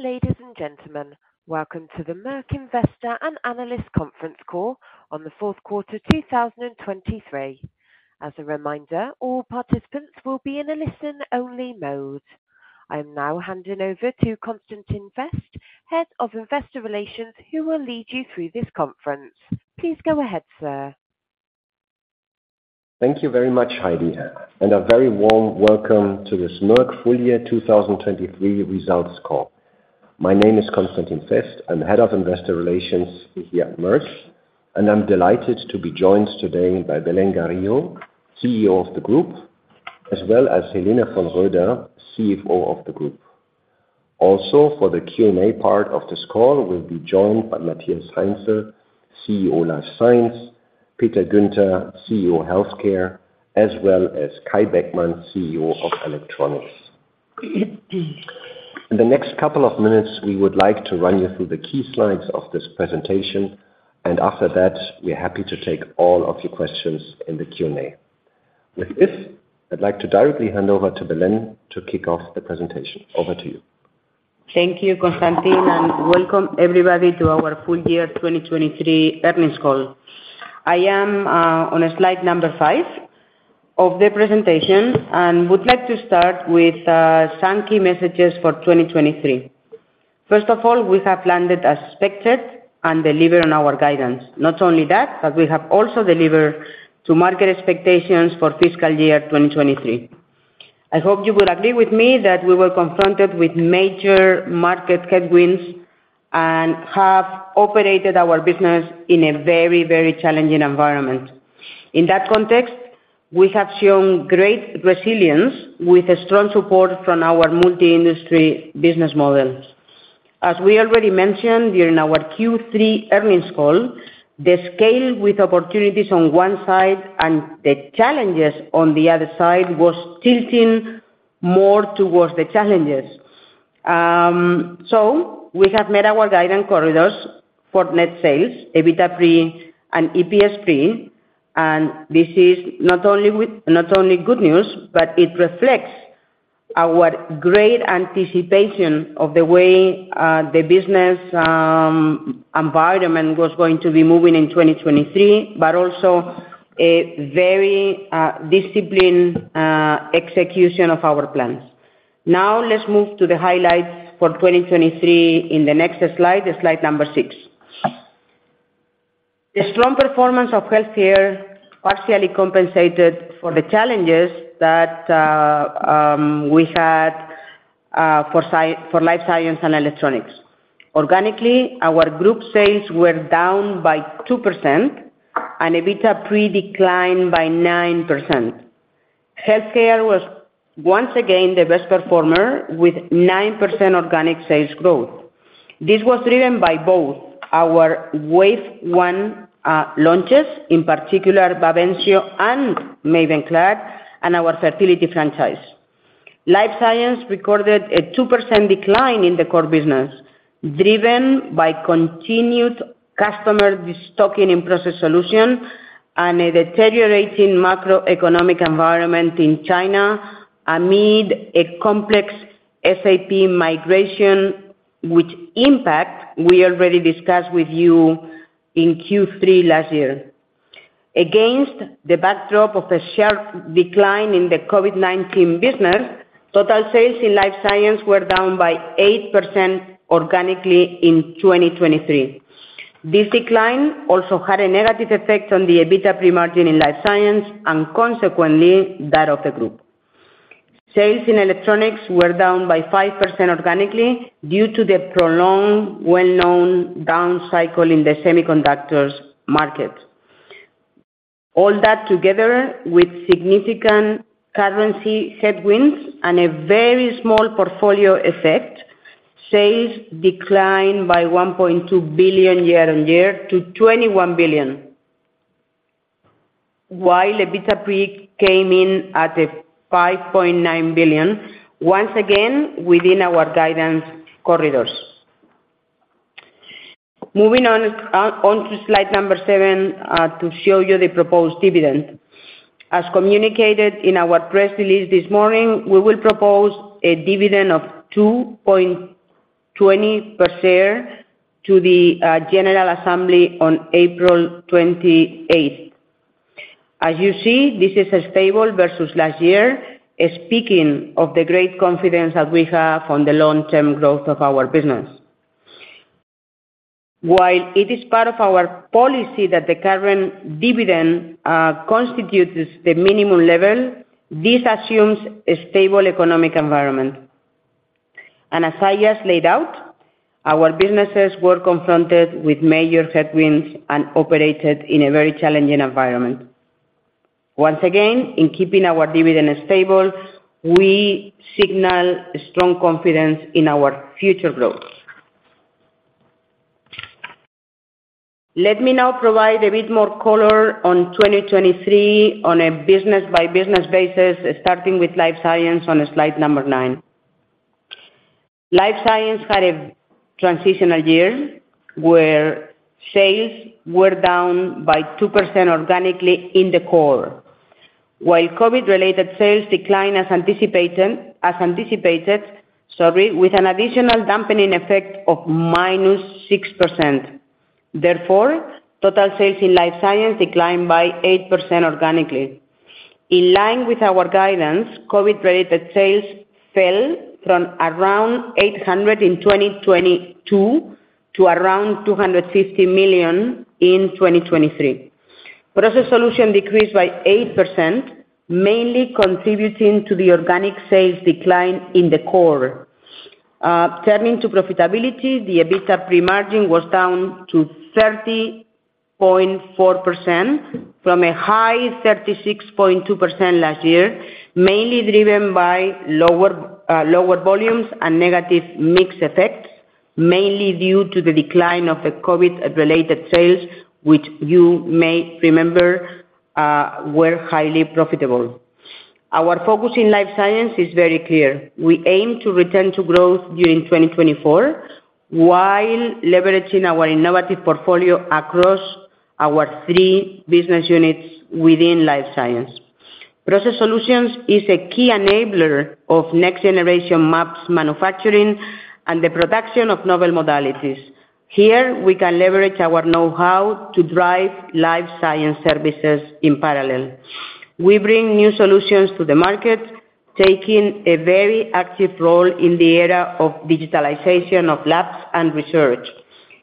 Dear ladies and gentlemen, welcome to the Merck Investor and Analyst Conference Call on the fourth quarter 2023. As a reminder, all participants will be in a listen-only mode. I'm now handing over to Constantin Fest, Head of Investor Relations, who will lead you through this conference. Please go ahead, sir. Thank you very much, Heidi, and a very warm welcome to this Merck full year 2023 results call. My name is Constantin Fest. I'm Head of Investor Relations here at Merck, and I'm delighted to be joined today by Belén Garijo, CEO of the group, as well as Helene von Roeder, CFO of the group. Also, for the Q&A part of this call, we'll be joined by Matthias Heinzel, CEO, Life Science; Peter Guenter, CEO, Healthcare; as well as Kai Beckmann, CEO of Electronics. In the next couple of minutes, we would like to run you through the key slides of this presentation, and after that, we're happy to take all of your questions in the Q&A. With this, I'd like to directly hand over to Belén to kick off the presentation. Over to you. Thank you, Constantin, and welcome everybody to our full year 2023 earnings call. I am on a slide number 5 of the presentation and would like to start with some key messages for 2023. First of all, we have landed as expected and delivered on our guidance. Not only that, but we have also delivered to market expectations for fiscal year 2023. I hope you will agree with me that we were confronted with major market headwinds and have operated our business in a very, very challenging environment. In that context, we have shown great resilience with a strong support from our multi-industry business models. As we already mentioned during our Q3 earnings call, the scale with opportunities on one side and the challenges on the other side was tilting more towards the challenges. So we have met our guidance corridors for net sales, EBITDA pre, and EPS pre, and this is not only good news, but it reflects our great anticipation of the way the business environment was going to be moving in 2023, but also a very disciplined execution of our plans. Now, let's move to the highlights for 2023 in the next slide, slide 6. The strong performance of Healthcare partially compensated for the challenges that we had for Life Science and Electronics. Organically, our group sales were down by 2%, and EBITDA pre declined by 9%. Healthcare was once again the best performer with 9% organic sales growth. This was driven by both our wave one launches, in particular, Bavencio and Mavenclad, and our fertility franchise. Life Science recorded a 2% decline in the core business, driven by continued customer restocking in Process Solutions and a deteriorating macroeconomic environment in China amid a complex SAP migration, which impact we already discussed with you in Q3 last year. Against the backdrop of a sharp decline in the COVID-19 business, total sales in Life Science were down by 8% organically in 2023. This decline also had a negative effect on the EBITDA pre in Life Science and consequently, that of the group. Sales in Electronics were down by 5% organically due to the prolonged, well-known down cycle in the semiconductors market. All that together with significant currency headwinds and a very small portfolio effect, sales declined by 1.2 billion year-on-year to 21 billion, while EBITDA pre came in at 5.9 billion, once again, within our guidance corridors. Moving on, onto slide 7, to show you the proposed dividend. As communicated in our press release this morning, we will propose a dividend of 2.20 per share to the general assembly on April 28th. As you see, this is stable versus last year, speaking of the great confidence that we have on the long-term growth of our business. While it is part of our policy that the current dividend constitutes the minimum level, this assumes a stable economic environment. And as I just laid out, our businesses were confronted with major headwinds and operated in a very challenging environment. Once again, in keeping our dividend stable, we signal a strong confidence in our future growth. Let me now provide a bit more color on 2023 on a business-by-business basis, starting with Life Science on slide 9. Life Science had a transitional year, where sales were down by 2% organically in the core, while COVID-related sales declined as anticipated, sorry, with an additional dampening effect of -6%. Therefore, total sales in Life Science declined by 8% organically. In line with our guidance, COVID-related sales fell from around 800 million in 2022 to around 250 million in 2023. Process Solutions decreased by 8%, mainly contributing to the organic sales decline in the core. Turning to profitability, the EBITDA pre-margin was down to 30.4% from a high 36.2% last year, mainly driven by lower, lower volumes and negative mix effects, mainly due to the decline of the COVID-related sales, which you may remember, were highly profitable. Our focus in Life Science is very clear. We aim to return to growth during 2024, while leveraging our innovative portfolio across our three business units within Life Science. Process Solutions is a key enabler of next-generation mAbs manufacturing and the production of novel modalities. Here, we can leverage our know-how to drive Life Science Services in parallel. We bring new solutions to the market, taking a very active role in the era of digitalization of labs and research.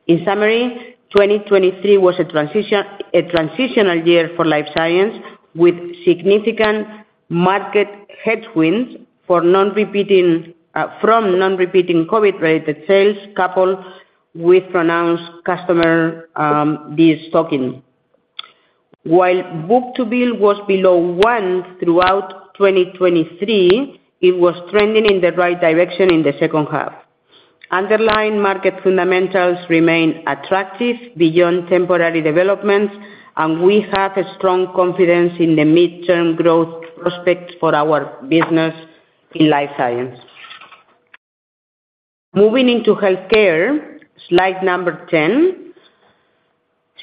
In summary, 2023 was a transitional year for Life Science, with significant market headwinds from non-repeating COVID-related sales, coupled with pronounced customer destocking. While book-to-bill was below 1 throughout 2023, it was trending in the right direction in the second half. Underlying market fundamentals remain attractive beyond temporary developments, and we have strong confidence in the mid-term growth prospects for our business in Life Science. Moving into healthcare, slide 10.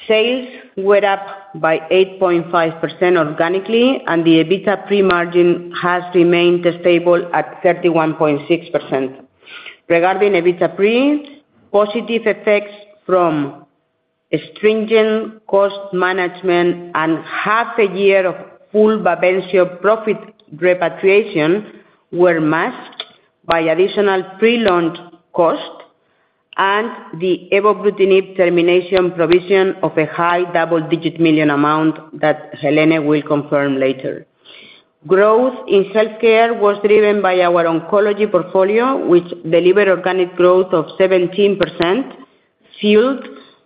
Sales were up by 8.5% organically, and the EBITDA pre-margin has remained stable at 31.6%. Regarding EBITDA pre, positive effects from stringent cost management and half a year of full Bavencio profit repatriation were masked by additional pre-launch costs and the evobrutinib termination provision of a high double-digit million EUR amount that Belén will confirm later. Growth in healthcare was driven by our oncology portfolio, which delivered organic growth of 17%, fueled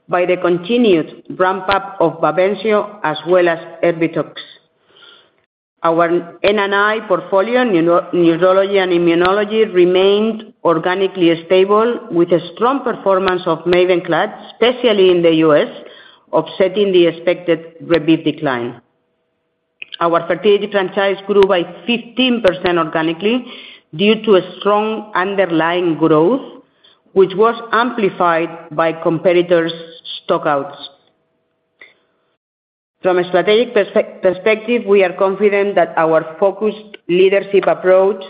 by the continued ramp-up of Bavencio as well as Erbitux. Our NNI portfolio, neurology and immunology, remained organically stable, with a strong performance of Mavenclad, especially in the U.S., offsetting the expected Rebif decline. Our fertility franchise grew by 15% organically due to a strong underlying growth, which was amplified by competitors' stock-outs. From a strategic perspective, we are confident that our focused leadership approach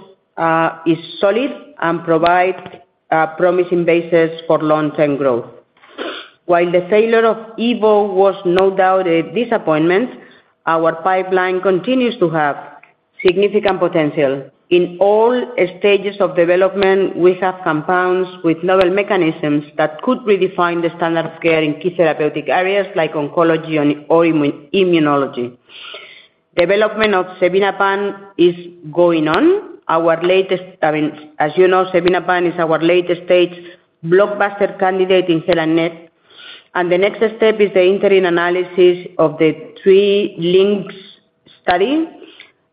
is solid and provide promising basis for long-term growth. While the failure of EVO was no doubt a disappointment, our pipeline continues to have significant potential. In all stages of development, we have compounds with novel mechanisms that could redefine the standard of care in key therapeutic areas like oncology and, or immunology. Development of xevinapant is going on. I mean, as you know, xevinapant is our latest stage blockbuster candidate in head and neck, and the next step is the interim analysis of the TrilynX study,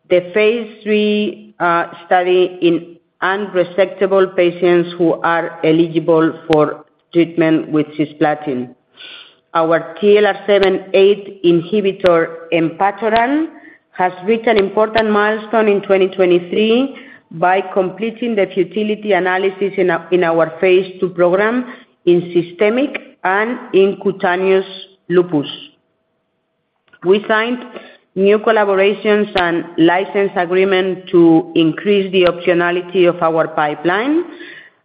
the phase 3 study in unresectable patients who are eligible for treatment with cisplatin. Our TLR7/8 inhibitor, Enpatoran, has reached an important milestone in 2023 by completing the futility analysis in our phase 2 program in systemic and cutaneous lupus. We signed new collaborations and license agreement to increase the optionality of our pipeline.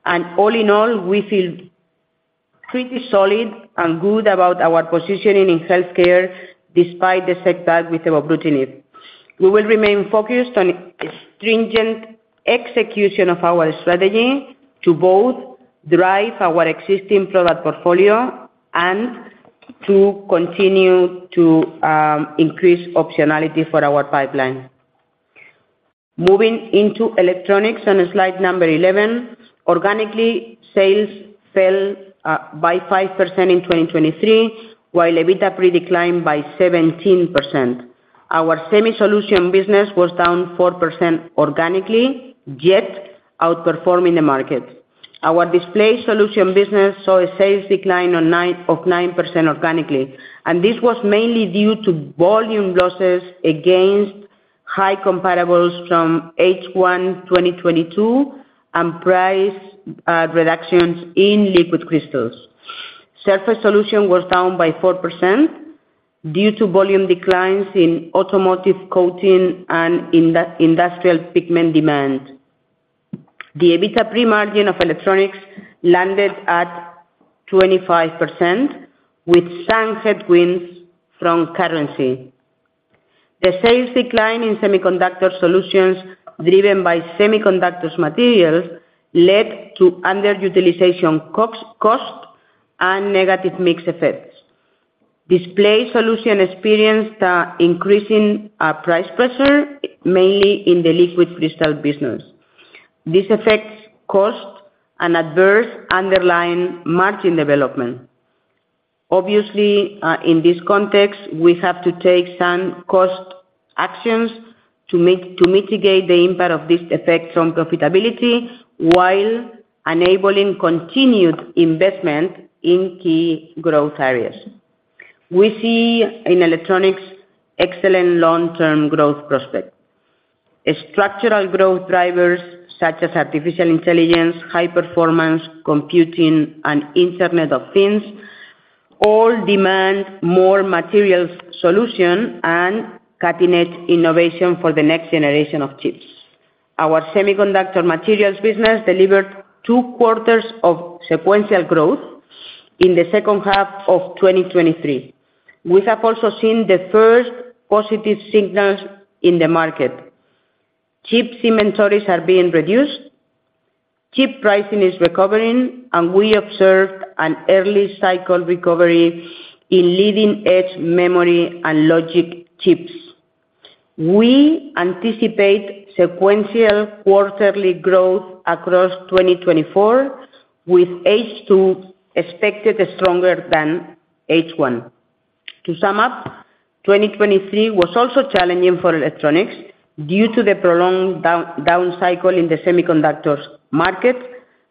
And all in all, we feel pretty solid and good about our positioning in healthcare, despite the setback with Evobrutinib. We will remain focused on stringent execution of our strategy to both drive our existing product portfolio and to continue to increase optionality for our pipeline. Moving into electronics, on slide 11, organically, sales fell by 5% in 2023, while EBITDA pre declined by 17%. Our semi-solution business was down 4% organically, yet outperforming the market. Our Display Solutions business saw a sales decline of 9% organically, and this was mainly due to volume losses against high comparables from H1 2022, and price reductions in Liquid Crystals. Surface Solutions was down by 4% due to volume declines in automotive coating and industrial pigment demand. The EBITDA pre-margin of Electronics landed at 25%, with some headwinds from currency. The sales decline in Semiconductor Solutions, driven by semiconductor materials, led to underutilization costs and negative mix effects. Display Solutions experienced increasing price pressure, mainly in the liquid crystal business. This affects cost and adverse underlying margin development. Obviously, in this context, we have to take some cost actions to mitigate the impact of this effect on profitability, while enabling continued investment in key growth areas. We see in Electronics excellent long-term growth prospect. Structural growth drivers such as artificial intelligence, high-performance computing, and Internet of Things all demand more materials solutions and cutting-edge innovation for the next generation of chips. Our semiconductor materials business delivered two quarters of sequential growth in the second half of 2023. We have also seen the first positive signals in the market. Chips inventories are being reduced, chip pricing is recovering, and we observed an early cycle recovery in leading-edge memory and logic chips. We anticipate sequential quarterly growth across 2024, with H2 expected stronger than H1. To sum up, 2023 was also challenging for electronics due to the prolonged downcycle in the semiconductors market.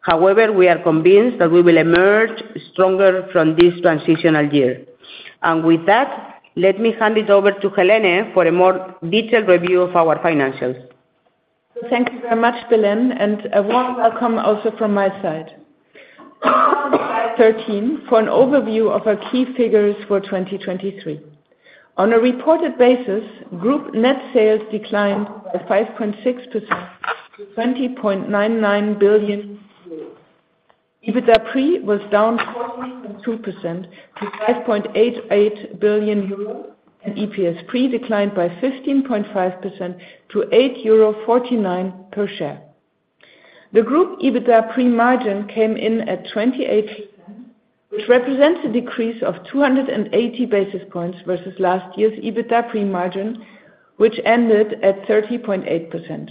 However, we are convinced that we will emerge stronger from this transitional year. With that, let me hand it over to Belén for a more detailed review of our financials. So thank you very much, Belén, and a warm welcome also from my side. Slide 13, for an overview of our key figures for 2023. On a reported basis, group net sales declined by 5.6% to 20.99 billion euros. EBITDA pre was down 14.2% to 5.88 billion euros, and EPS pre declined by 15.5% to 8.49 euro per share. The group EBITDA pre-margin came in at 28%, which represents a decrease of 280 basis points versus last year's EBITDA pre-margin, which ended at 30.8%.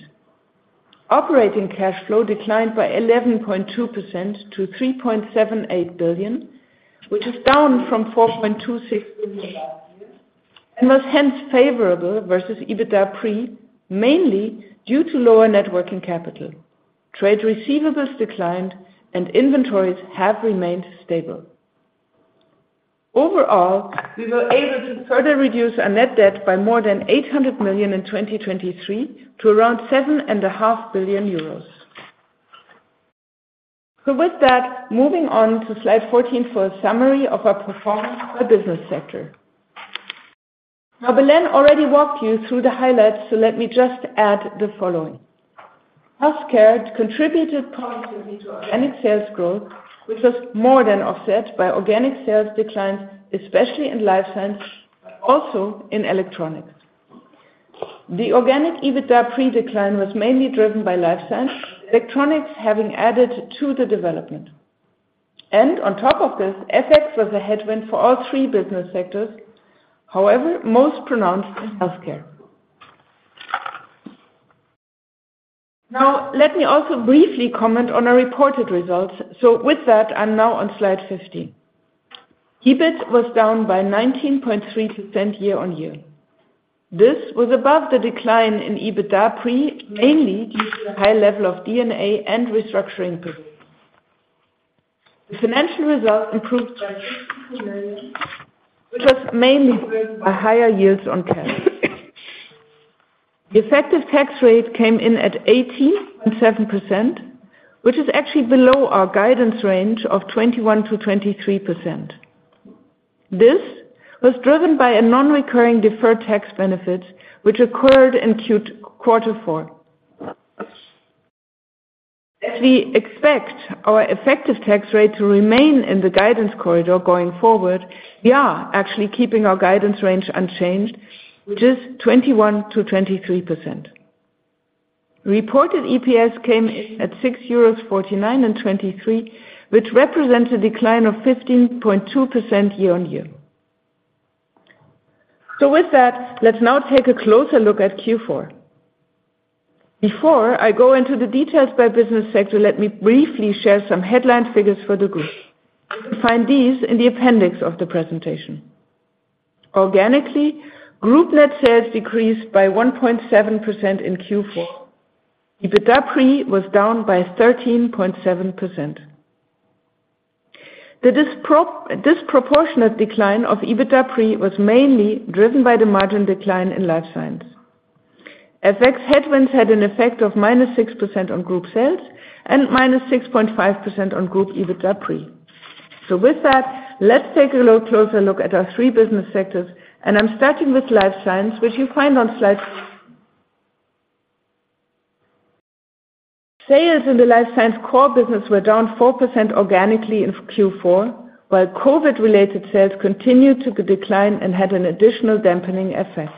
Operating cash flow declined by 11.2% to 3.78 billion, which is down from 4.26 billion last year, and was hence favorable versus EBITDA pre, mainly due to lower net WACCing capital. Trade receivables declined, and inventories have remained stable. Overall, we were able to further reduce our net debt by more than 800 million in 2023, to around 7.5 billion euros. So with that, moving on to slide 14 for a summary of our performance by business sector. Now, Belén already walked you through the highlights, so let me just add the following: Healthcare contributed positively to organic sales growth, which was more than offset by organic sales declines, especially in Life Science, but also in Electronics. The organic EBITDA pre-decline was mainly driven by Life Science, Electronics having added to the development. And on top of this, FX was a headwind for all three business sectors, however, most pronounced in Healthcare. Now, let me also briefly comment on our reported results. So with that, I'm now on slide 15. EBIT was down by 19.3% year-on-year. This was above the decline in EBITDA pre, mainly due to the high level of D&A and restructuring costs. The financial results improved by 62 million, which was mainly driven by higher yields on cash. The effective tax rate came in at 18.7%, which is actually below our guidance range of 21%-23%. This was driven by a non-recurring deferred tax benefit, which occurred in quarter four. As we expect our effective tax rate to remain in the guidance corridor going forward, we are actually keeping our guidance range unchanged, which is 21%-23%. Reported EPS came in at 6.4923 euros, which represents a decline of 15.2% year-on-year. So with that, let's now take a closer look at Q4. Before I go into the details by business sector, let me briefly share some headline figures for the group. You can find these in the appendix of the presentation. Organically, group net sales decreased by 1.7% in Q4. EBITDA pre was down by 13.7%. The disproportionate decline of EBITDA pre was mainly driven by the margin decline in Life Science. FX headwinds had an effect of -6% on group sales and -6.5% on group EBITDA pre. So with that, let's take a closer look at our three business sectors, and I'm starting with Life Science, which you find on slide. Sales in the Life Science core business were down 4% organically in Q4, while COVID-related sales continued to decline and had an additional dampening effect.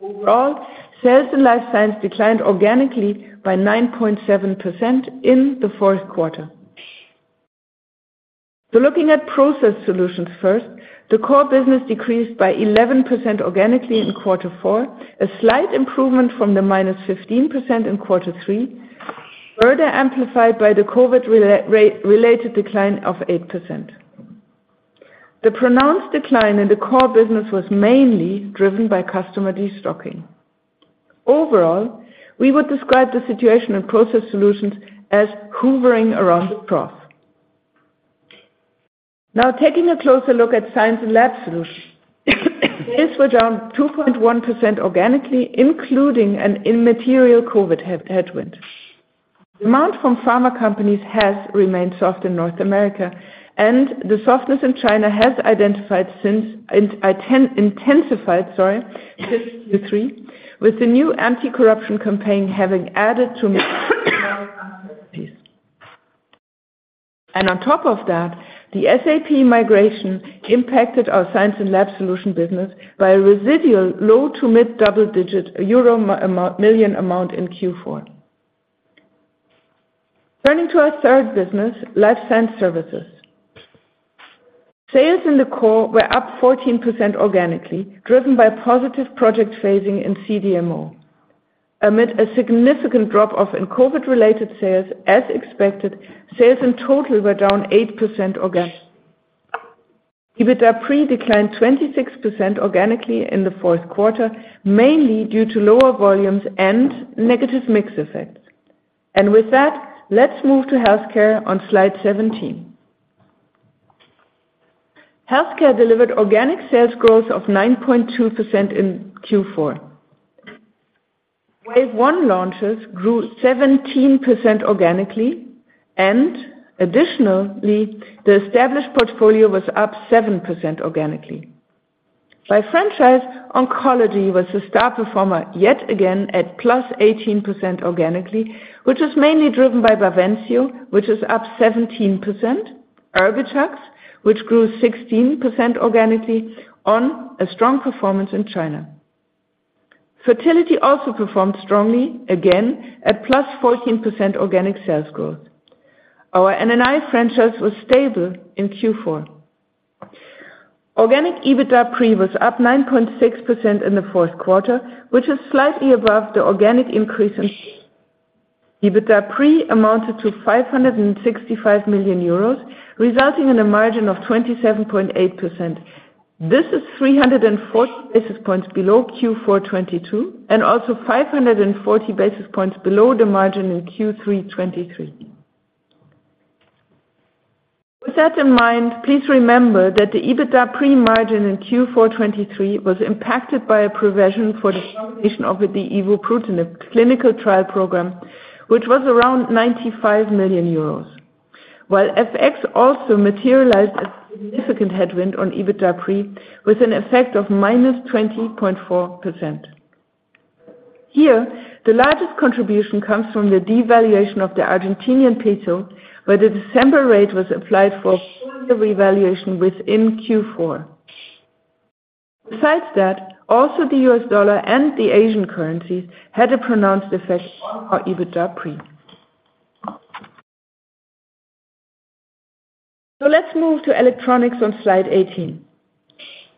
Overall, sales in Life Science declined organically by 9.7% in the fourth quarter. So looking at Process Solutions first, the core business decreased by 11% organically in quarter four, a slight improvement from the -15% in quarter three, further amplified by the COVID-related decline of 8%. The pronounced decline in the core business was mainly driven by customer destocking. Overall, we would describe the situation in Process Solutions as hovering around the trough. Now, taking a closer look at Science & Lab Solutions, sales were down 2.1% organically, including an immaterial COVID headwind. Demand from pharma companies has remained soft in North America, and the softness in China has intensified, sorry, since Q3, with the new anti-corruption campaign having added to this. On top of that, the SAP migration impacted our Science and Lab Solutions business by a residual low- to mid-double-digit euro million amount in Q4. Turning to our third business, Life Science Services. Sales in the core were up 14% organically, driven by positive project phasing in CDMO. Amid a significant drop-off in COVID-related sales, as expected, sales in total were down 8% organically. EBITDA pre declined 26% organically in the fourth quarter, mainly due to lower volumes and negative mix effects. With that, let's move to Healthcare on slide 17. Healthcare delivered organic sales growth of 9.2% in Q4. Wave one launches grew 17% organically, and additionally, the established portfolio was up 7% organically. By franchise, oncology was the star performer, yet again, at +18% organically, which was mainly driven by Bavencio, which is up 17%, Erbitux, which grew 16% organically on a strong performance in China. Fertility also performed strongly, again, at +14% organic sales growth. Our NNI franchise was stable in Q4. Organic EBITDA pre was up 9.6% in the fourth quarter, which is slightly above the organic increase in... EBITDA pre amounted to 565 million euros, resulting in a margin of 27.8%. This is 340 basis points below Q4 2022 and also 540 basis points below the margin in Q3 2023. With that in mind, please remember that the EBITDA pre-margin in Q4 2023 was impacted by a provision for the of the Evobrutinib clinical trial program, which was around 95 million euros. While FX also materialized a significant headwind on EBITDA pre, with an effect of -20.4%. Here, the largest contribution comes from the devaluation of the Argentine peso, where the December rate was applied for revaluation within Q4. Besides that, also the US dollar and the Asian currencies had a pronounced effect on our EBITDA pre. So let's move to electronics on slide 18.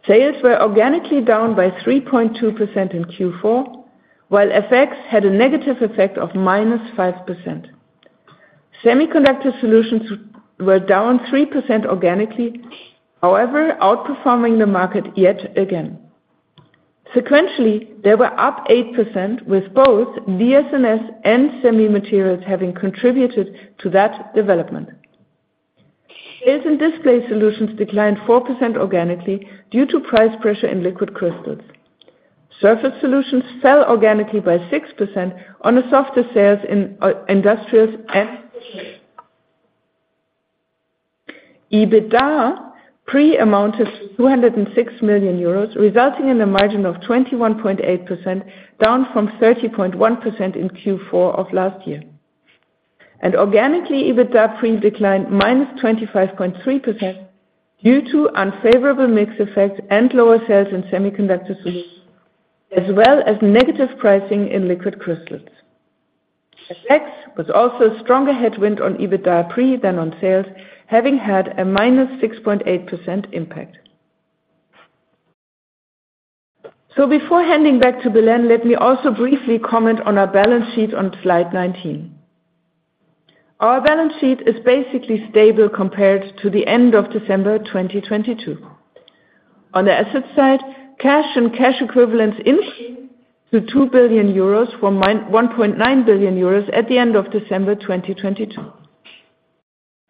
Sales were organically down by 3.2% in Q4, while FX had a negative effect of -5%. Semiconductor solutions were down 3% organically, however, outperforming the market yet again. Sequentially, they were up 8%, with both DS&S and semi materials having contributed to that development. Sales in Display Solutions declined 4% organically due to price pressure in Liquid Crystals. Surface Solutions fell organically by 6% on the softer sales in industrials and. EBITDA pre amounted to 206 million euros, resulting in a margin of 21.8%, down from 30.1% in Q4 of last year. Organically, EBITDA pre declined -25.3% due to unfavorable mix effects and lower sales in Semiconductor Solutions, as well as negative pricing in Liquid Crystals. FX was also a stronger headwind on EBITDA pre than on sales, having had a -6.8% impact. Before handing back to Belén, let me also briefly comment on our balance sheet on slide 19. Our balance sheet is basically stable compared to the end of December 2022. On the asset side, cash and cash equivalents increased to 2 billion euros from 1.9 billion euros at the end of December 2022.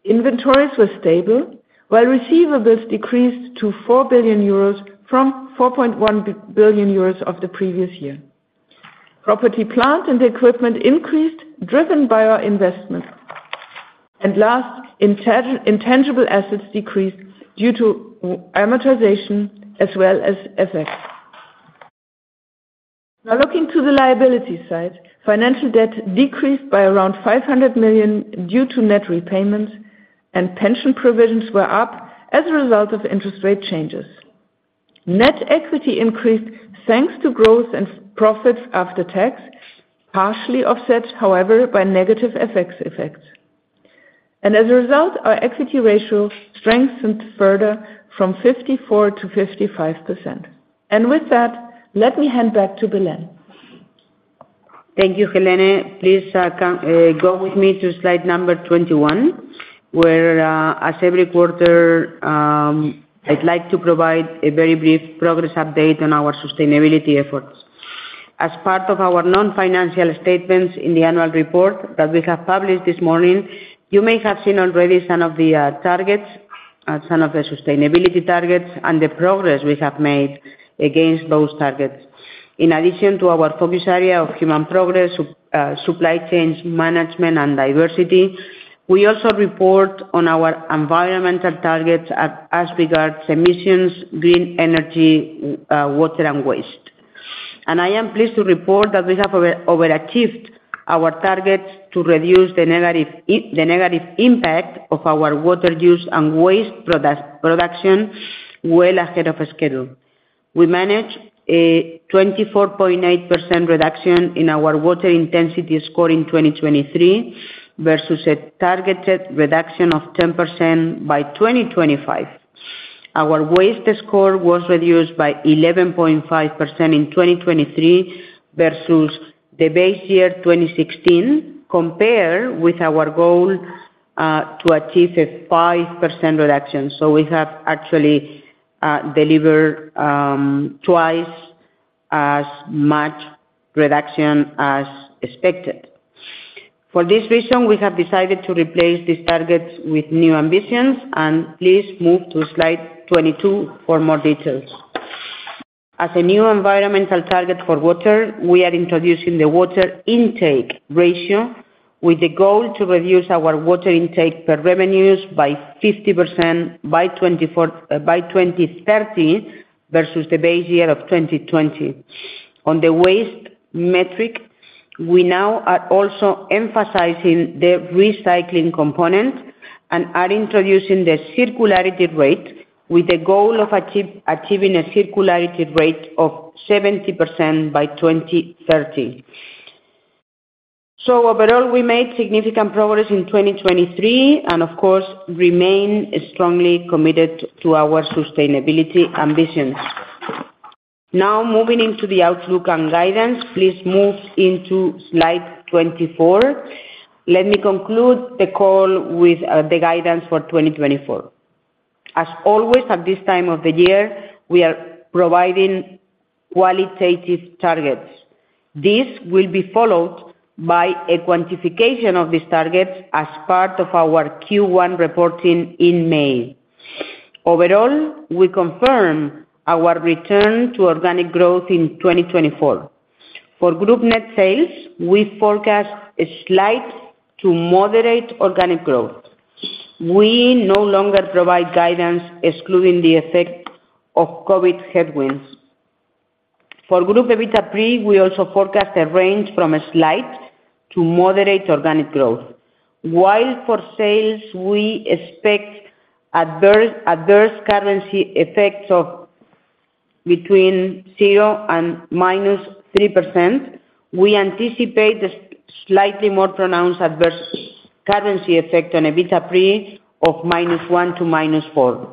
Inventories were stable, while receivables decreased to 4 billion euros from 4.1 billion euros of the previous year. Property, plant, and equipment increased, driven by our investment. And last, intangible assets decreased due to amortization as well as FX. Now, looking to the liability side, financial debt decreased by around 500 million due to net repayments, and pension provisions were up as a result of interest rate changes. Net equity increased thanks to growth and profits after tax, partially offset, however, by negative FX effects. And as a result, our equity ratio strengthened further from 54% to 55%. And with that, let me hand back to Belén. Thank you, Belén. Please, come, go with me to slide number 21, where, as every quarter, I'd like to provide a very brief progress update on our sustainability efforts. As part of our non-financial statements in the annual report that we have published this morning, you may have seen already some of the targets, some of the sustainability targets and the progress we have made against those targets. In addition to our focus area of human progress, supply chain management, and diversity, we also report on our environmental targets as regards emissions, green energy, water, and waste. And I am pleased to report that we have overachieved our targets to reduce the negative impact of our water use and waste production well ahead of schedule. We managed a 24.8% reduction in our water intensity score in 2023, versus a targeted reduction of 10% by 2025. Our waste score was reduced by 11.5% in 2023, versus the base year 2016, compared with our goal to achieve a 5% reduction. So we have actually delivered twice as much reduction as expected. For this reason, we have decided to replace these targets with new ambitions, and please move to slide 22 for more details. As a new environmental target for water, we are introducing the water intake ratio, with the goal to reduce our water intake per revenues by 50% by twenty four-, by 2030, versus the base year of 2020. On the waste metric, we now are also emphasizing the recycling component and are introducing the circularity rate, with the goal of achieving a circularity rate of 70% by 2030. So overall, we made significant progress in 2023, and of course, remain strongly committed to our sustainability ambitions. Now, moving into the outlook and guidance, please move into slide 24. Let me conclude the call with the guidance for 2024. As always, at this time of the year, we are providing qualitative targets. This will be followed by a quantification of these targets as part of our Q1 reporting in May. Overall, we confirm our return to organic growth in 2024. For group net sales, we forecast a slight to moderate organic growth. We no longer provide guidance excluding the effect of COVID headwinds. For Group EBITDA pre, we also forecast a range from a slight to moderate organic growth. While for sales, we expect adverse currency effects of between 0% and -3%, we anticipate slightly more pronounced adverse currency effect on EBITDA pre of -1% to -4%.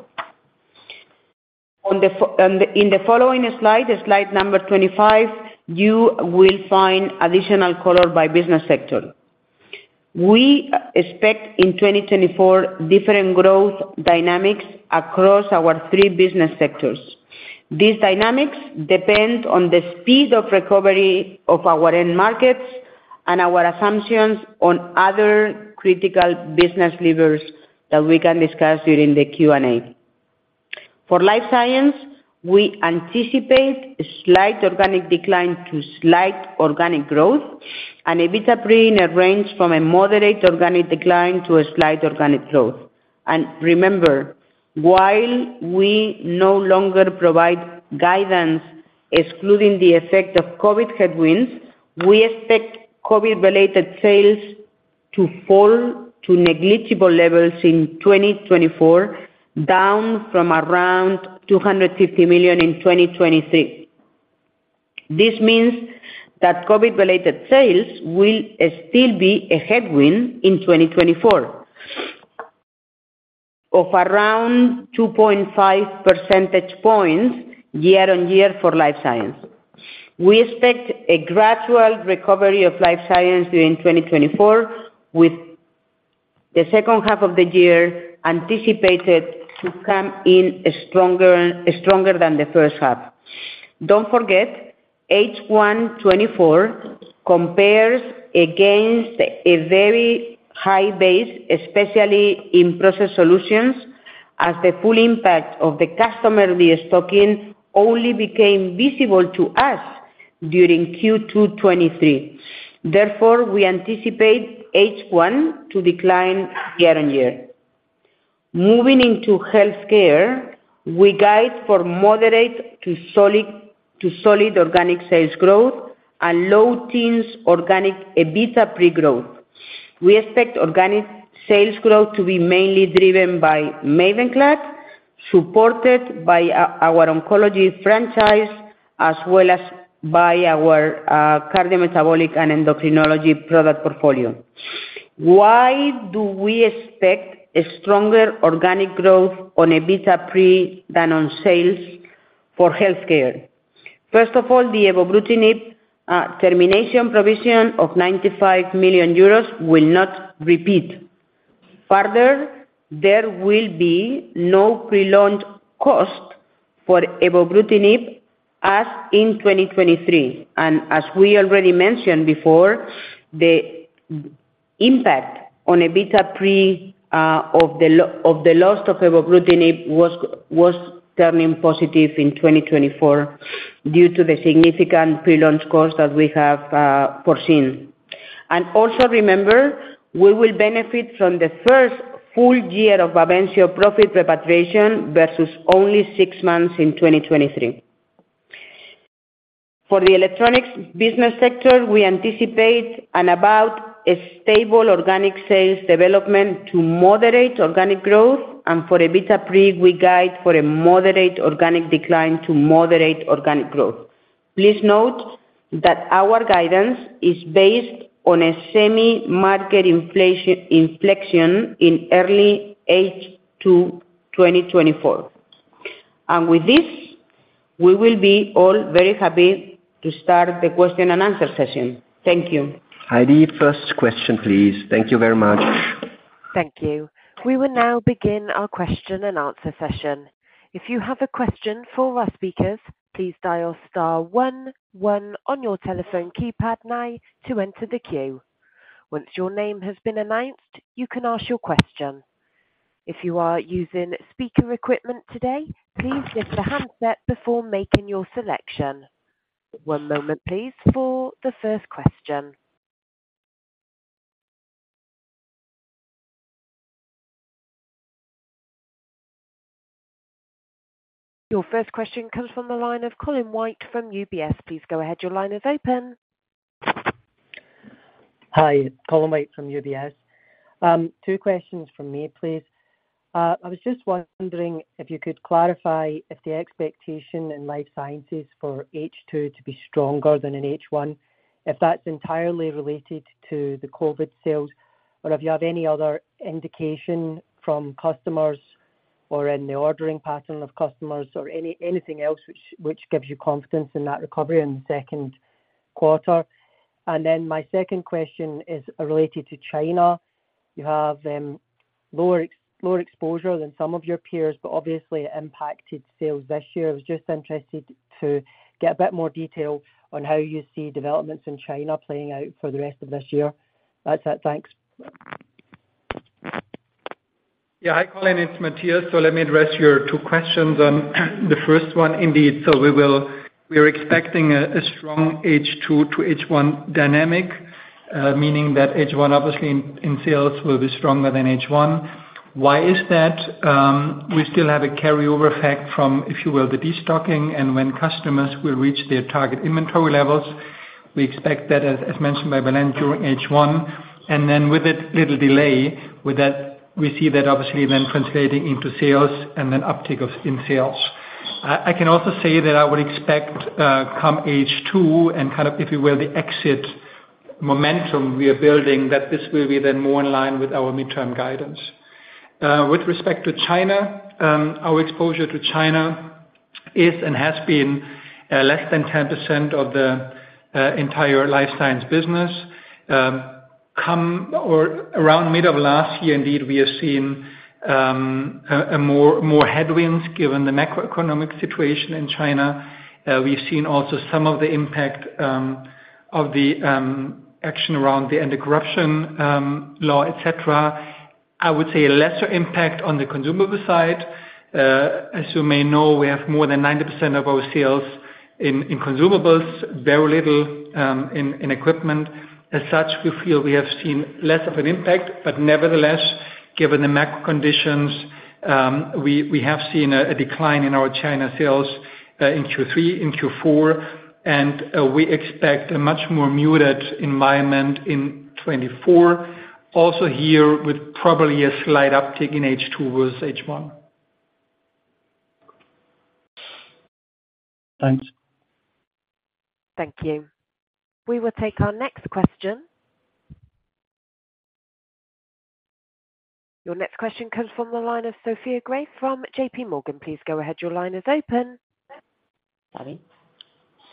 On the following slide, slide number 25, you will find additional color by business sector. We expect in 2024 different growth dynamics across our three business sectors. These dynamics depend on the speed of recovery of our end markets and our assumptions on other critical business levers that we can discuss during the Q&A. For Life Science, we anticipate a slight organic decline to slight organic growth, and EBITDA pre in a range from a moderate organic decline to a slight organic growth. And remember, while we no longer provide guidance excluding the effect of COVID headwinds, we expect COVID-related sales to fall to negligible levels in 2024, down from around 250 million in 2023. This means that COVID-related sales will still be a headwind in 2024, of around 2.5 percentage points year-on-year for Life Science. We expect a gradual recovery of Life Science during 2024, with the second half of the year anticipated to come in stronger, stronger than the first half. Don't forget, H1 2024 compares against a very high base, especially in process solutions, as the full impact of the customer destocking only became visible to us during Q2 2023. Therefore, we anticipate H1 to decline year-on-year. Moving into healthcare, we guide for moderate to solid, to solid organic sales growth and low teens organic EBITDA pre-growth. We expect organic sales growth to be mainly driven by Mavenclad, supported by our oncology franchise, as well as by our cardiometabolic and endocrinology product portfolio. Why do we expect a stronger organic growth on EBITDA pre than on sales for healthcare? First of all, the Evobrutinib termination provision of 95 million euros will not repeat. Further, there will be no pre-launch cost for Evobrutinib as in 2023, and as we already mentioned before, the impact on EBITDA pre of the loss of Evobrutinib was turning positive in 2024 due to the significant pre-launch costs that we have foreseen. And also remember, we will benefit from the first full year of Bavencio profit repatriation versus only six months in 2023. For the electronics business sector, we anticipate about a stable organic sales development to moderate organic growth, and for EBITDA pre, we guide for a moderate organic decline to moderate organic growth. Please note that our guidance is based on a semiconductor market inflection in early H2 2024. With this, we will be all very happy to start the question and answer session. Thank you. Heidi, first question, please. Thank you very much. Thank you. We will now begin our question and answer session. If you have a question for our speakers, please dial star one one on your telephone keypad now to enter the queue. Once your name has been announced, you can ask your question. If you are using speaker equipment today, please lift the handset before making your selection. One moment please for the first question. Your first question comes from the line of Colin White from UBS. Please go ahead. Your line is open. Hi, Colin White from UBS. Two questions from me, please. I was just wondering if you could clarify if the expectation in life sciences for H2 to be stronger than in H1, if that's entirely related to the COVID sales, or if you have any other indication from customers or in the ordering pattern of customers or anything else which gives you confidence in that recovery in the second quarter? And then my second question is related to China. You have lower exposure than some of your peers, but obviously it impacted sales this year. I was just interested to get a bit more detail on how you see developments in China playing out for the rest of this year. That's it. Thanks. Yeah. Hi, Colin, it's Matthias. So let me address your two questions on the first one, indeed. So we will—we are expecting a strong H2 to H1 dynamic, meaning that H1 obviously in sales will be stronger than H1. Why is that? We still have a carryover effect from, if you will, the destocking, and when customers will reach their target inventory levels, we expect that as mentioned by Belén, during H1, and then with a little delay, with that, we see that obviously then translating into sales and then uptake in sales. I can also say that I would expect, come H2 and kind of, if you will, the exit momentum we are building, that this will be then more in line with our midterm guidance. With respect to China, our exposure to China is and has been less than 10% of the entire Life Science business. Around mid of last year, indeed, we have seen more headwinds given the macroeconomic situation in China. We've seen also some of the impact of the action around the anti-corruption law, et cetera. I would say a lesser impact on the consumable side. As you may know, we have more than 90% of our sales in consumables, very little in equipment. As such, we feel we have seen less of an impact, but nevertheless, given the macro conditions, we have seen a decline in our China sales in Q3, in Q4, and we expect a much more muted environment in 2024, also here with probably a slight uptick in H2 versus H1. Thanks. Thank you. We will take our next question. Your next question comes from the line of Richard Vosser from J.P. Morgan. Please go ahead. Your line is open. Sorry?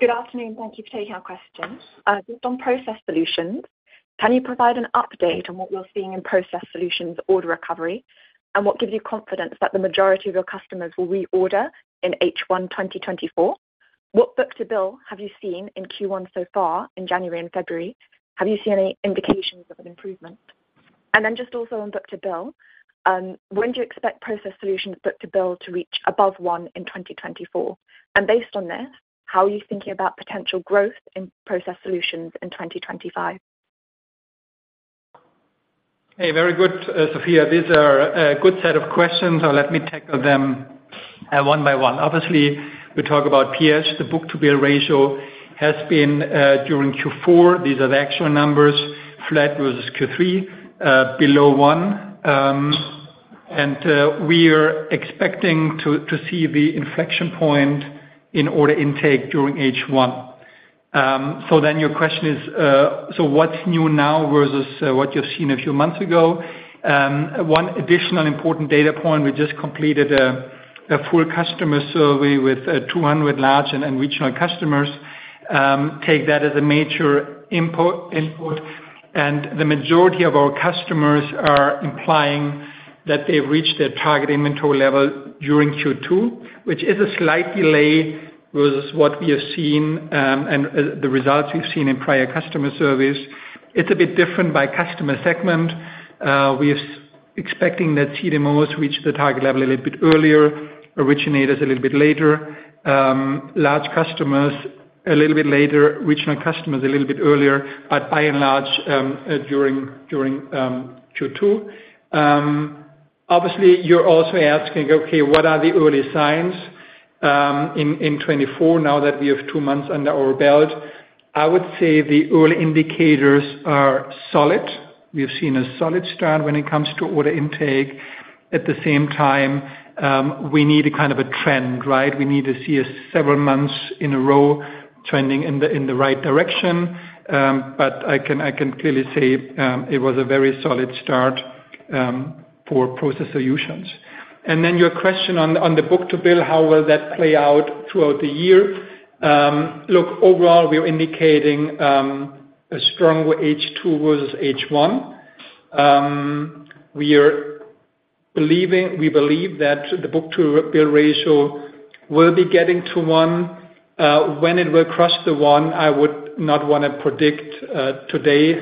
Good afternoon. Thank you for taking our questions. Based on Process Solutions, can you provide an update on what you're seeing in Process Solutions order recovery? What gives you confidence that the majority of your customers will reorder in H1 2024? What book-to-bill have you seen in Q1 so far in January and February? Have you seen any indications of an improvement? Just also on book-to-bill, when do you expect Process Solutions book-to-bill to reach above 1 in 2024? Based on this, how are you thinking about potential growth in Process Solutions in 2025? Hey, very good, Richard. These are a good set of questions, so let me tackle them one by one. Obviously, we talk about PS. The book-to-bill ratio has been during Q4. These are the actual numbers, flat versus Q3, below one. And we are expecting to see the inflection point in order intake during H1. So then your question is, so what's new now versus what you've seen a few months ago? One additional important data point, we just completed a full customer survey with 200 large and regional customers. Take that as a major input, and the majority of our customers are implying that they've reached their target inventory level during Q2, which is a slight delay versus what we have seen, and the results we've seen in prior customer surveys. It's a bit different by customer segment. We are expecting that CDMOs reach the target level a little bit earlier, originators a little bit later, large customers a little bit later, regional customers a little bit earlier, but by and large, during Q2. Obviously, you're also asking, okay, what are the early signs in 2024, now that we have 2 months under our belt? I would say the early indicators are solid. We have seen a solid start when it comes to order intake. At the same time, we need a kind of a trend, right? We need to see several months in a row trending in the right direction. But I can clearly say, it was a very solid start for Process Solutions. Then your question on the book-to-bill, how will that play out throughout the year? Look, overall, we are indicating a stronger H2 versus H1. We believe that the book-to-bill ratio will be getting to 1. When it will cross the 1, I would not wanna predict today.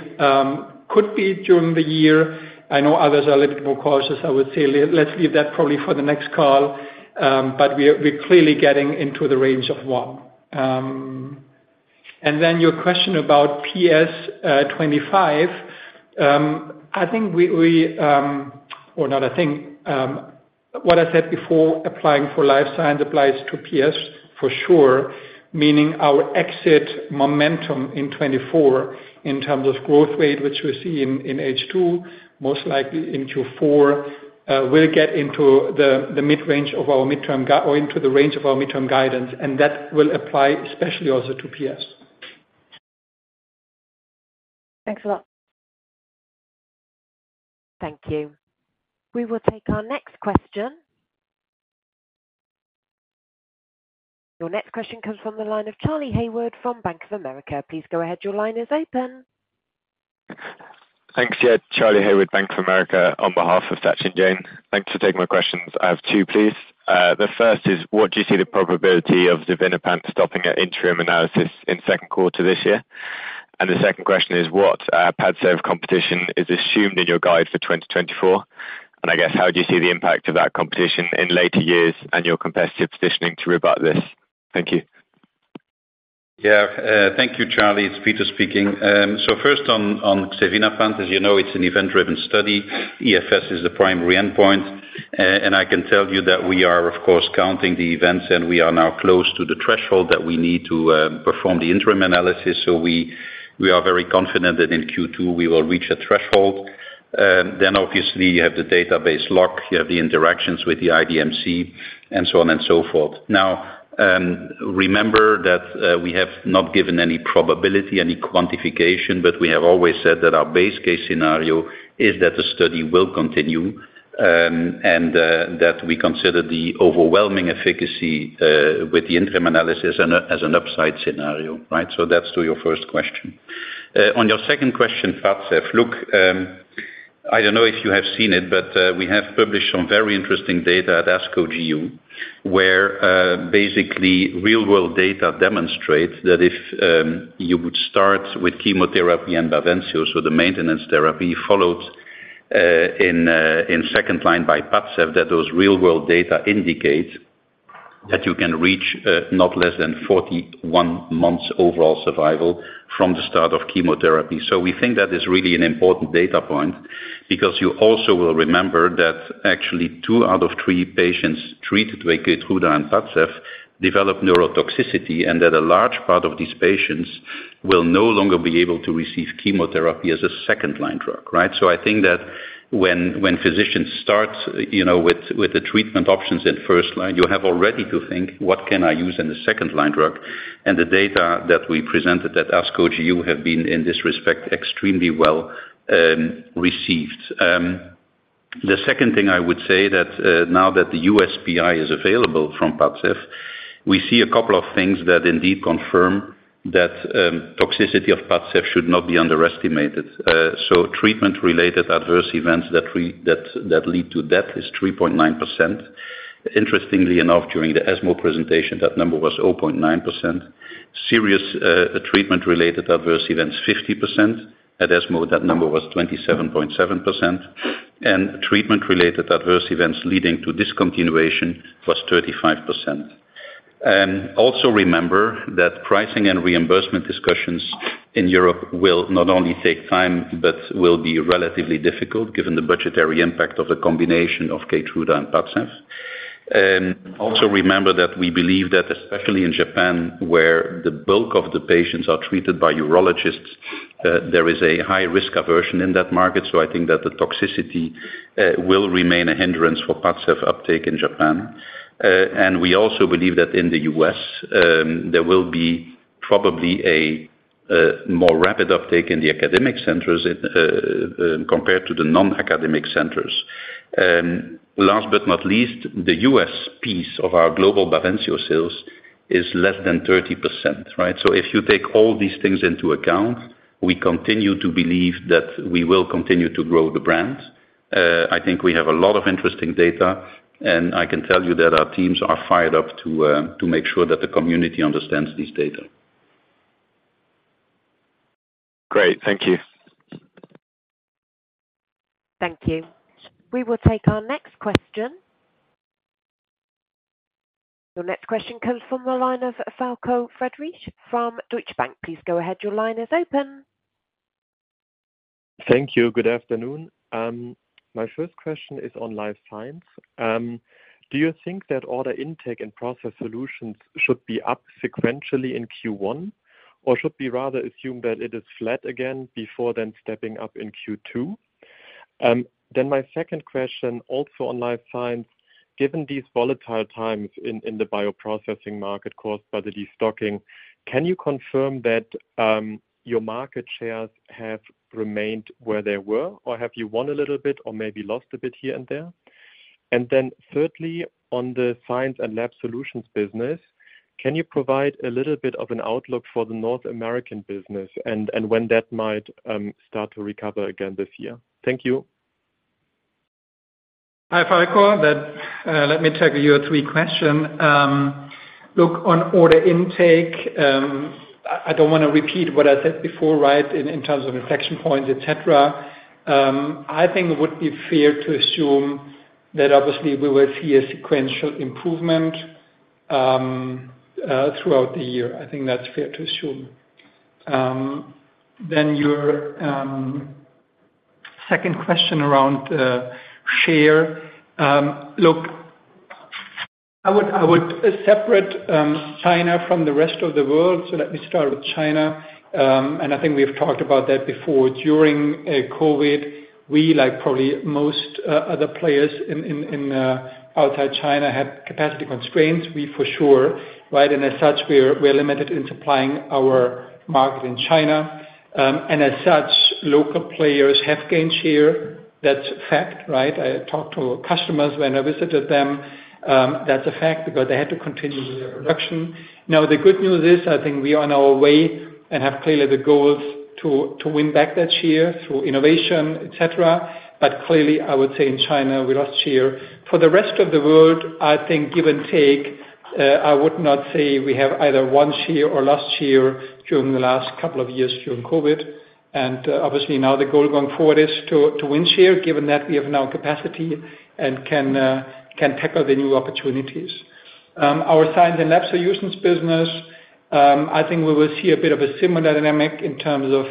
Could be during the year. I know others are a little bit more cautious. I would say let's leave that probably for the next call, but we are, we're clearly getting into the range of 1. And then your question about PS 25. I think we, we... Or not, I think what I said before, applying to Life Science applies to PS for sure, meaning our exit momentum in 2024 in terms of growth rate, which we see in H2, most likely in Q4, will get into the mid-range of our midterm guidance or into the range of our midterm guidance, and that will apply especially also to PS. Thanks a lot. Thank you. We will take our next question. Your next question comes from the line of Charlie Hayward from Bank of America. Please go ahead. Your line is open. Thanks, yeah. Charlie Hayward, Bank of America, on behalf of Sachin Jain. Thanks for taking my questions. I have two, please. The first is, what do you see the probability of the xevinapant stopping at interim analysis in second quarter this year? And the second question is, what Padcev competition is assumed in your guide for 2024? And I guess, how do you see the impact of that competition in later years and your competitive positioning to rebut this? Thank you. Yeah, thank you, Charlie. It's Peter speaking. So first on xevinapant, as you know, it's an event-driven study. EFS is the primary endpoint, and I can tell you that we are, of course, counting the events, and we are now close to the threshold that we need to perform the interim analysis. So we are very confident that in Q2 we will reach a threshold. Then obviously, you have the database lock, you have the interactions with the IDMC, and so on and so forth. Now, remember that we have not given any probability, any quantification, but we have always said that our base case scenario is that the study will continue, and that we consider the overwhelming efficacy with the interim analysis and as an upside scenario. Right? So that's to your first question. On your second question, Padcev. Look, I don't know if you have seen it, but, we have published some very interesting data at ASCO GU, where, basically, real-world data demonstrates that if you would start with chemotherapy and Bavencio, so the maintenance therapy, followed, in second line by Padcev, that those real-world data indicate that you can reach, not less than 41 months overall survival from the start of chemotherapy. So we think that is really an important data point, because you also will remember that actually two out of three patients treated with Keytruda and Padcev developed neurotoxicity, and that a large part of these patients will no longer be able to receive chemotherapy as a second-line drug, right? So I think that when physicians start, you know, with the treatment options in first line, you have already to think, "What can I use in the second-line drug?" And the data that we presented at ASCOGU have been, in this respect, extremely well received. The second thing I would say that now that the USPI is available from Padcev, we see a couple of things that indeed confirm that toxicity of Padcev should not be underestimated. So treatment-related adverse events that lead to death is 3.9%. Interestingly enough, during the ESMO presentation, that number was 0.9%. Serious treatment-related adverse events, 50%. At ESMO, that number was 27.7%, and treatment-related adverse events leading to discontinuation was 35%. Also remember that pricing and reimbursement discussions in Europe will not only take time, but will be relatively difficult, given the budgetary impact of the combination of Keytruda and Padcev. Also remember that we believe that especially in Japan, where the bulk of the patients are treated by urologists, there is a high risk aversion in that market, so I think that the toxicity will remain a hindrance for Padcev uptake in Japan. And we also believe that in the U.S., there will be probably a more rapid uptake in the academic centers compared to the non-academic centers. Last but not least, the U.S. piece of our global Bavencio sales is less than 30%, right? So if you take all these things into account, we continue to believe that we will continue to grow the brand. I think we have a lot of interesting data, and I can tell you that our teams are fired up to make sure that the community understands this data. Great. Thank you. Thank you. We will take our next question. Your next question comes from the line of Falko Friedrichs from Deutsche Bank. Please go ahead. Your line is open. Thank you. Good afternoon. My first question is on Life Science. Do you think that order intake and Process Solutions should be up sequentially in Q1, or should we rather assume that it is flat again before then stepping up in Q2? Then my second question, also on Life Science. Given these volatile times in the bioprocessing market caused by the destocking, can you confirm that your market shares have remained where they were, or have you won a little bit or maybe lost a bit here and there? And then thirdly, on the Science & Lab Solutions business, can you provide a little bit of an outlook for the North American business and when that might start to recover again this year? Thank you. Hi, Falko. That, let me take your three question. Look, on order intake, I don't wanna repeat what I said before, right, in terms of inflection points, et cetera. I think it would be fair to assume that obviously we will see a sequential improvement throughout the year. I think that's fair to assume. Then your second question around share. Look, I would separate China from the rest of the world, so let me start with China. And I think we've talked about that before. During COVID, we, like probably most other players in outside China, had capacity constraints, we for sure, right? And as such, we are limited in supplying our market in China. And as such, local players have gained share. That's a fact, right? I talked to customers when I visited them. That's a fact, because they had to continue with their production. Now, the good news is, I think we are on our way and have clearly the goals to, to win back that share through innovation, et cetera. But clearly, I would say in China, we lost share. For the rest of the world, I think give and take, I would not say we have either won share or lost share during the last couple of years during COVID. And, obviously now the goal going forward is to, to win share, given that we have now capacity and can, can tackle the new opportunities. Our Science and Lab Solutions business, I think we will see a bit of a similar dynamic in terms of,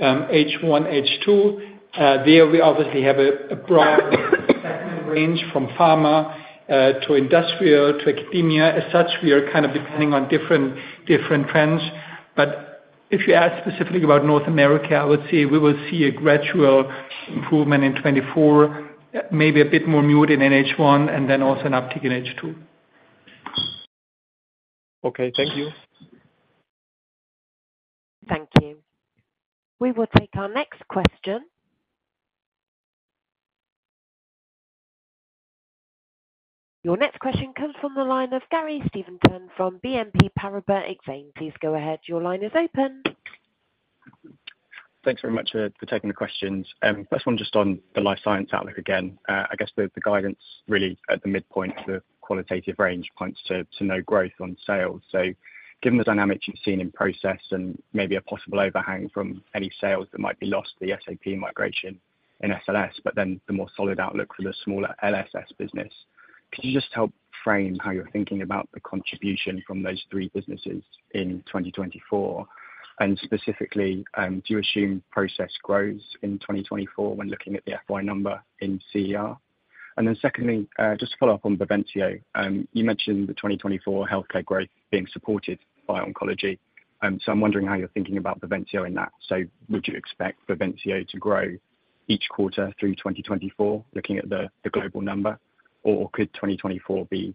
H1, H2. There we obviously have a broad segment range from pharma to industrial to academia. As such, we are kind of depending on different trends. But if you ask specifically about North America, I would say we will see a gradual improvement in 2024, maybe a bit more muted in H1 and then also an uptick in H2. Okay. Thank you. Thank you. We will take our next question. Your next question comes from the line of Gary Steventon from BNP Paribas Exane. Please go ahead. Your line is open. Thanks very much for taking the questions. First one, just on the life science outlook again. I guess the guidance really at the midpoint of the qualitative range points to no growth on sales. So given the dynamics you've seen in process and maybe a possible overhang from any sales that might be lost, the SAP migration in SLS, but then the more solid outlook for the smaller LSS business, could you just help frame how you're thinking about the contribution from those three businesses in 2024? And specifically, do you assume process grows in 2024 when looking at the FY number in CER? And then secondly, just to follow up on Bavencio. You mentioned the 2024 healthcare growth being supported by oncology, so I'm wondering how you're thinking about Bavencio in that. So would you expect Bavencio to grow each quarter through 2024, looking at the global number, or could 2024 be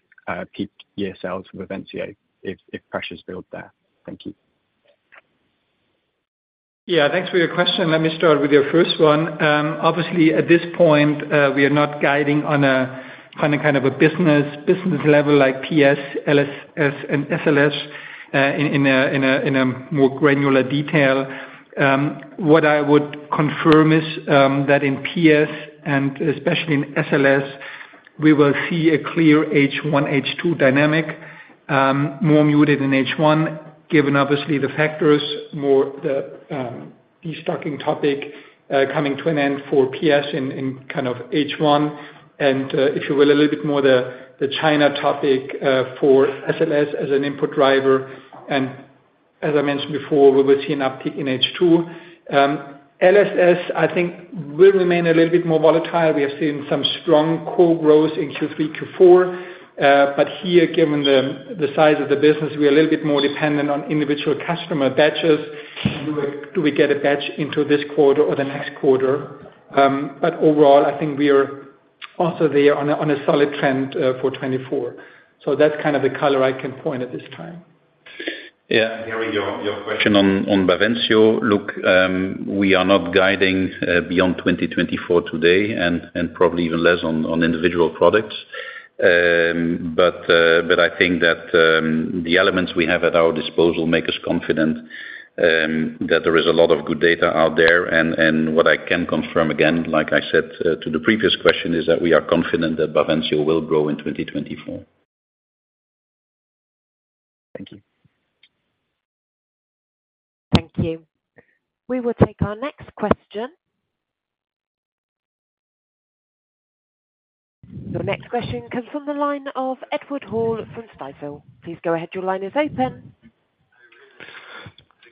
peak year sales for Bavencio if pressures build there? Thank you. Yeah, thanks for your question. Let me start with your first one. Obviously, at this point, we are not guiding on a kind of a business level like PS, LSS, and SLS in a more granular detail. What I would confirm is that in PS and especially in SLS, we will see a clear H1, H2 dynamic, more muted in H1, given obviously the factors, more the destocking topic coming to an end for PS in kind of H1, and, if you will, a little bit more the China topic for SLS as an input driver. And as I mentioned before, we will see an uptick in H2. LSS, I think, will remain a little bit more volatile. We have seen some strong core growth in Q3, Q4, but here, given the size of the business, we are a little bit more dependent on individual customer batches. Do we get a batch into this quarter or the next quarter? But overall, I think we are also there on a solid trend for 2024. So that's kind of the color I can point at this time. Yeah, Gary, your question on Bavencio. Look, we are not guiding beyond 2024 today, and probably even less on individual products. But I think that the elements we have at our disposal make us confident that there is a lot of good data out there. And what I can confirm, again, like I said, to the previous question, is that we are confident that Bavencio will grow in 2024. Thank you. Thank you. We will take our next question. The next question comes from the line of Edward Hall from Stifel. Please go ahead. Your line is open.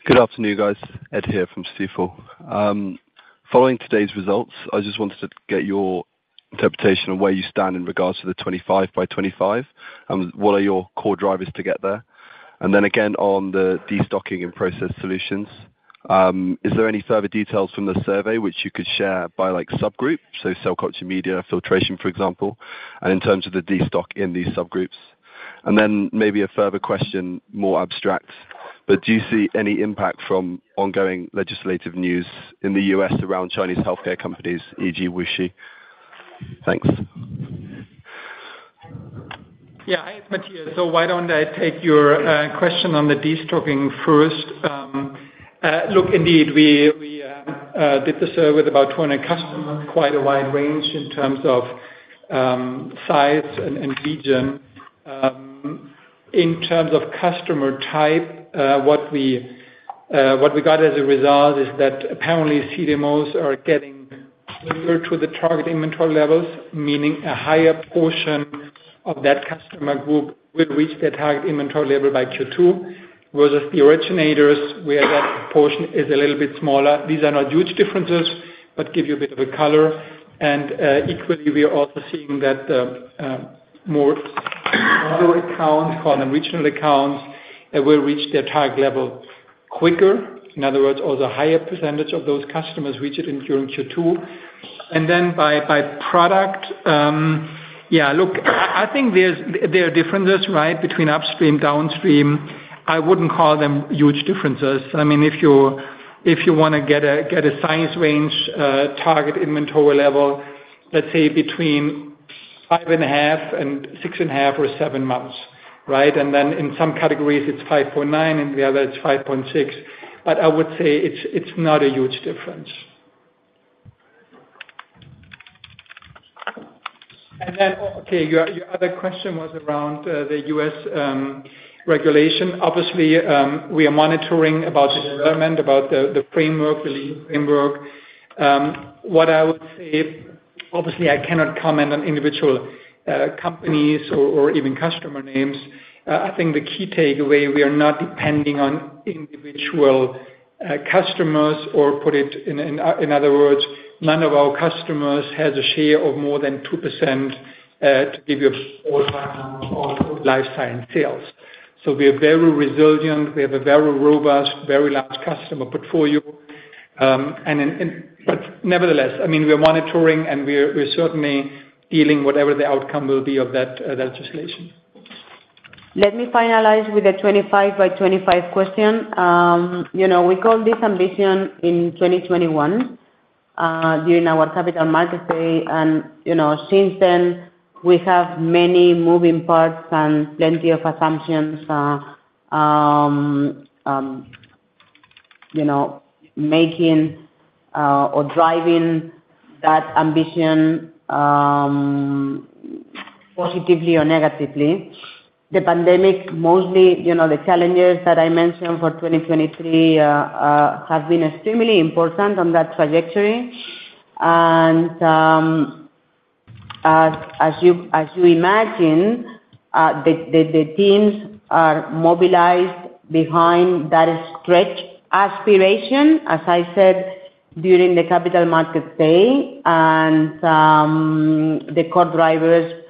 Good afternoon, guys. Ed here from Stifel. Following today's results, I just wanted to get your interpretation of where you stand in regards to the 25 by 25. What are your core drivers to get there? And then again, on the destocking and process solutions, is there any further details from the survey which you could share by, like, subgroup, so cell culture, media, filtration, for example, and in terms of the destock in these subgroups? And then maybe a further question, more abstract, but do you see any impact from ongoing legislative news in the U.S. around Chinese healthcare companies, e.g., WuXi? Thanks. Yeah, hi, it's Matthias. So why don't I take your question on the destocking first. Look, indeed, we did the survey with about 200 customers, quite a wide range in terms of size and region. In terms of customer type, what we got as a result is that apparently, CDMOs are getting closer to the target inventory levels, meaning a higher portion of that customer group will reach their target inventory level by Q2, versus the originators, where that portion is a little bit smaller. These are not huge differences, but give you a bit of a color. And equally, we are also seeing that more traditional accounts or the regional accounts will reach their target level quicker. In other words, or the higher percentage of those customers reach it in during Q2. And then by product, I think there are differences, right, between upstream, downstream. I wouldn't call them huge differences. I mean, if you wanna get a size range, target inventory level, let's say between 5.5 and 6.5 or 7 months, right? And then in some categories, it's 5.9, and the other, it's 5.6. But I would say it's not a huge difference. And then, okay, your other question was around the U.S. regulation. Obviously, we are monitoring about the development, about the frameWACC, the lead frameWACC. What I would say, obviously, I cannot comment on individual companies or even customer names. I think the key takeaway, we are not depending on individual customers, or put it in other words, none of our customers has a share of more than 2% to give you an idea on Life Science sales. So we are very resilient. We have a very robust, very large customer portfolio. But nevertheless, I mean, we're monitoring, and we're certainly dealing whatever the outcome will be of that legislation. Let me finalize with the 25 by 25 question. You know, we call this ambition in 2021, during our capital market day. And, you know, since then, we have many moving parts and plenty of assumptions, you know, making or driving that ambition, positively or negatively. The pandemic, mostly, you know, the challenges that I mentioned for 2023, have been extremely important on that trajectory. And, as you imagine, the teams are mobilized behind that stretch aspiration, as I said, during the capital market day, and the core drivers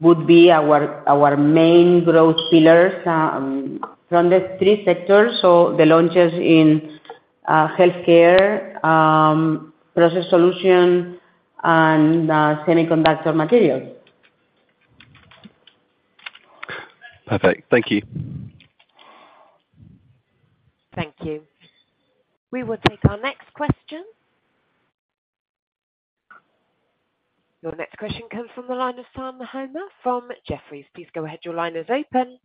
would be our main growth pillars, from the three sectors, so the launches in Healthcare, Process Solutions, and Semiconductor Materials.... Perfect. Thank you. Thank you. We will take our next question. Your next question comes from the line of Brian Balchin from Jefferies. Please go ahead. Your line is open.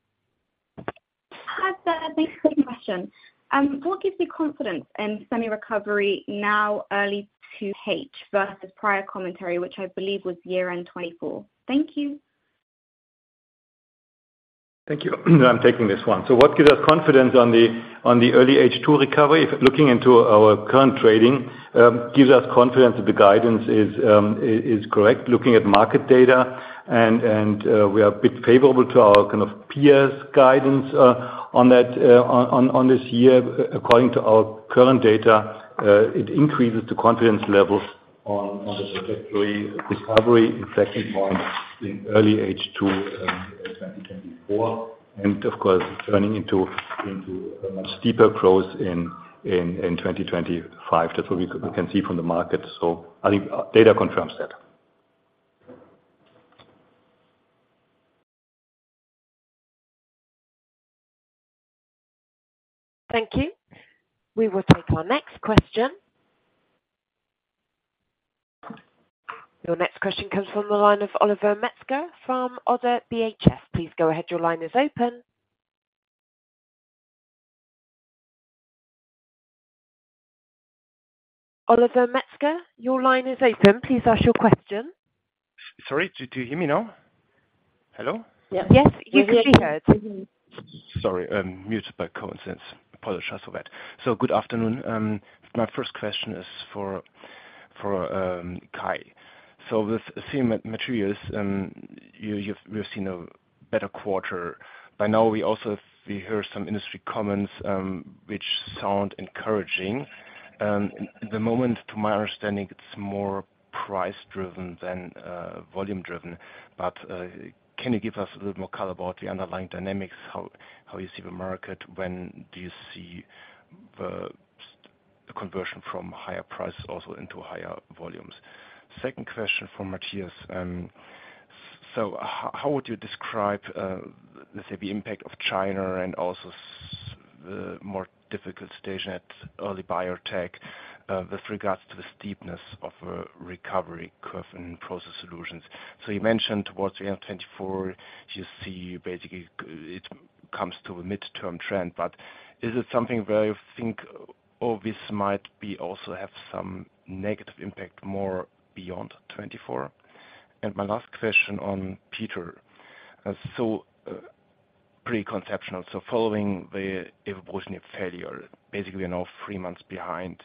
Hi there, thanks for the question. What gives you confidence in semi recovery now early 2H, versus prior commentary, which I believe was year-end 2024? Thank you. Thank you. I'm taking this one. So what gives us confidence on the, on the early H2 recovery? Looking into our current trading, gives us confidence that the guidance is, is, is correct. Looking at market data and, and, we are a bit favorable to our kind of peers' guidance, on that, on, on this year. According to our current data, it increases the confidence levels on, on the trajectory recovery inflection point in early H2, 2024, and of course, turning into, into a much steeper growth in, in, in 2025. That's what we can see from the market, so I think, data confirms that. Thank you. We will take our next question. Your next question comes from the line of Oliver Metzger from Oddo BHF. Please go ahead. Your line is open. Oliver Metzger, your line is open. Please ask your question. Sorry, do you hear me now? Hello? Yes, you can be heard. Sorry, muted by coincidence. Apologize for that. So good afternoon. My first question is for Kai. So with semiconductor materials, you've seen a better quarter. By now, we also hear some industry comments, which sound encouraging. At the moment, to my understanding, it's more price driven than volume driven. But, can you give us a little more color about the underlying dynamics, how you see the market? When do you see the conversion from higher prices also into higher volumes? Second question for Matthias. How would you describe, let's say, the impact of China and also the more difficult situation at early biotech, with regards to the steepness of a recovery curve in Process Solutions? So you mentioned towards the end of 2024, you see basically it comes to a midterm trend, but is it something where you think, oh, this might be also have some negative impact, more beyond 2024? And my last question on Peter. So, Evobrutinib, so following the evaluation of failure, basically you're now three months behind,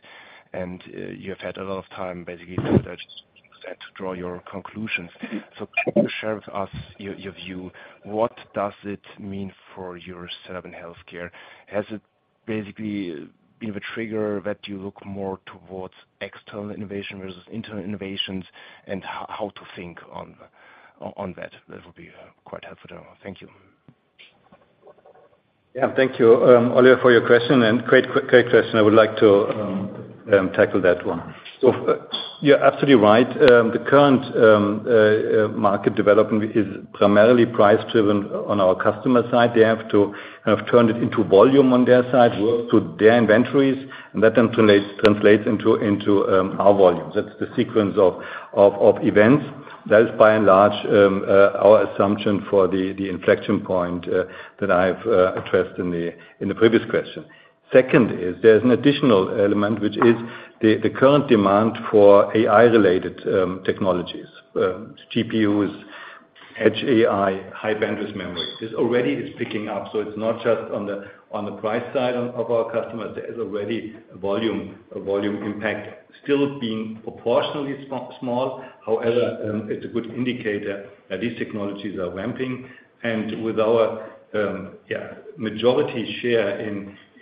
and you have had a lot of time, basically, to just to draw your conclusions. So can you share with us your, your view, what does it mean for your setup in healthcare? Has it basically been the trigger that you look more towards external innovation versus internal innovations, and how to think on that? That would be quite helpful. Thank you. Yeah, thank you, Oliver, for your question, and great, great question. I would like to tackle that one. So you're absolutely right. The current market development is primarily price driven on our customer side. They have to kind of turn it into volume on their side to their inventories, and that then translates into our volumes. That's the sequence of events. That is by and large our assumption for the inflection point that I've addressed in the previous question. Second is there's an additional element, which is the current demand for AI-related technologies. GPUs, edge AI, high-bandwidth memory. This already is picking up, so it's not just on the price side of our customers. There is already a volume, a volume impact still being proportionally small. However, it's a good indicator that these technologies are ramping. And with our, yeah, majority share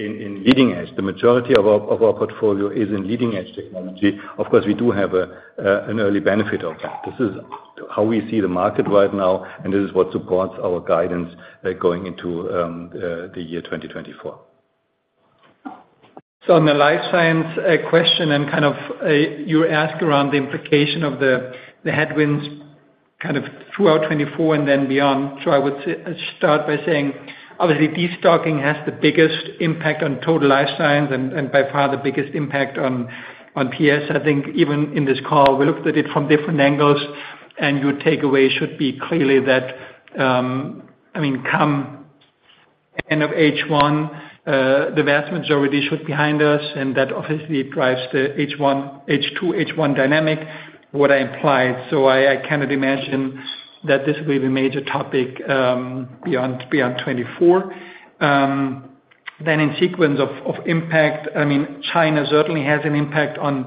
in leading edge, the majority of our, of our portfolio is in leading-edge technology. Of course, we do have an early benefit of that. This is how we see the market right now, and this is what supports our guidance, going into the year 2024. So on the Life Science question, and kind of you asked around the implication of the headwinds kind of throughout 2024 and then beyond. So I would start by saying, obviously, destocking has the biggest impact on total Life Science and by far the biggest impact on PS. I think even in this call, we looked at it from different angles, and your takeaway should be clearly that, I mean, come end of H1, the vast majority should behind us, and that obviously drives the H1-H2 dynamic, what I implied. So I cannot imagine that this will be a major topic beyond 2024. Then in sequence of impact, I mean, China certainly has an impact on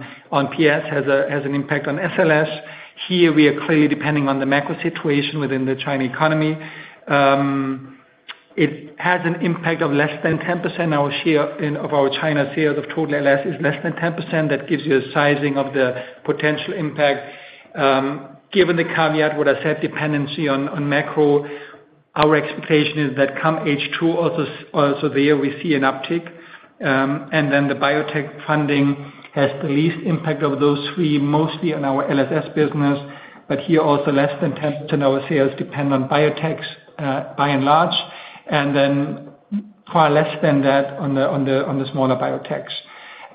PS, has an impact on SLS. Here, we are clearly depending on the macro situation within the Chinese economy. It has an impact of less than 10%. Our share in, of our China sales of total LS is less than 10%. That gives you a sizing of the potential impact. Given the caveat, what I said, dependency on, on macro, our expectation is that come H2, also, also there we see an uptick. And then the biotech funding has the least impact of those three, mostly on our LSS business, but here, also, less than 10% of our sales depend on biotechs, by and large, and then far less than that on the, on the, on the smaller biotechs.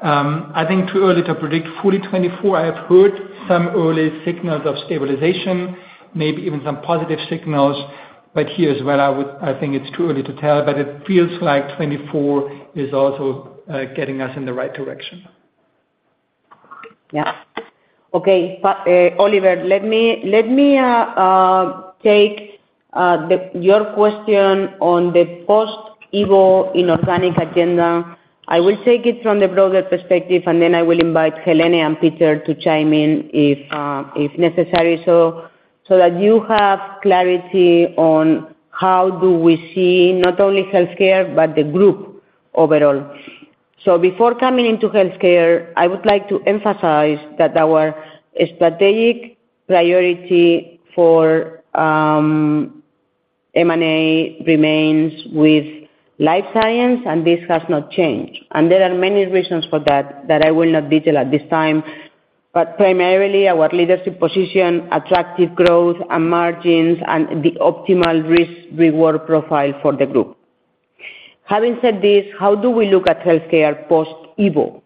I think too early to predict fully 2024. I have heard some early signals of stabilization, maybe even some positive signals, but here as well, I would- I think it's too early to tell, but it feels like 2024 is also getting us in the right direction. Yeah. Okay, but, Oliver, let me, let me, take your question on the post Evo inorganic agenda. I will take it from the broader perspective, and then I will invite Belén and Peter to chime in if necessary, so that you have clarity on how do we see not only Healthcare, but the Group overall. Before coming into Healthcare, I would like to emphasize that our strategic priority for M&A remains with Life Science, and this has not changed. And there are many reasons for that that I will not detail at this time, but primarily our leadership position, attractive growth and margins, and the optimal risk reward profile for the Group. Having said this, how do we look at Healthcare post Evo?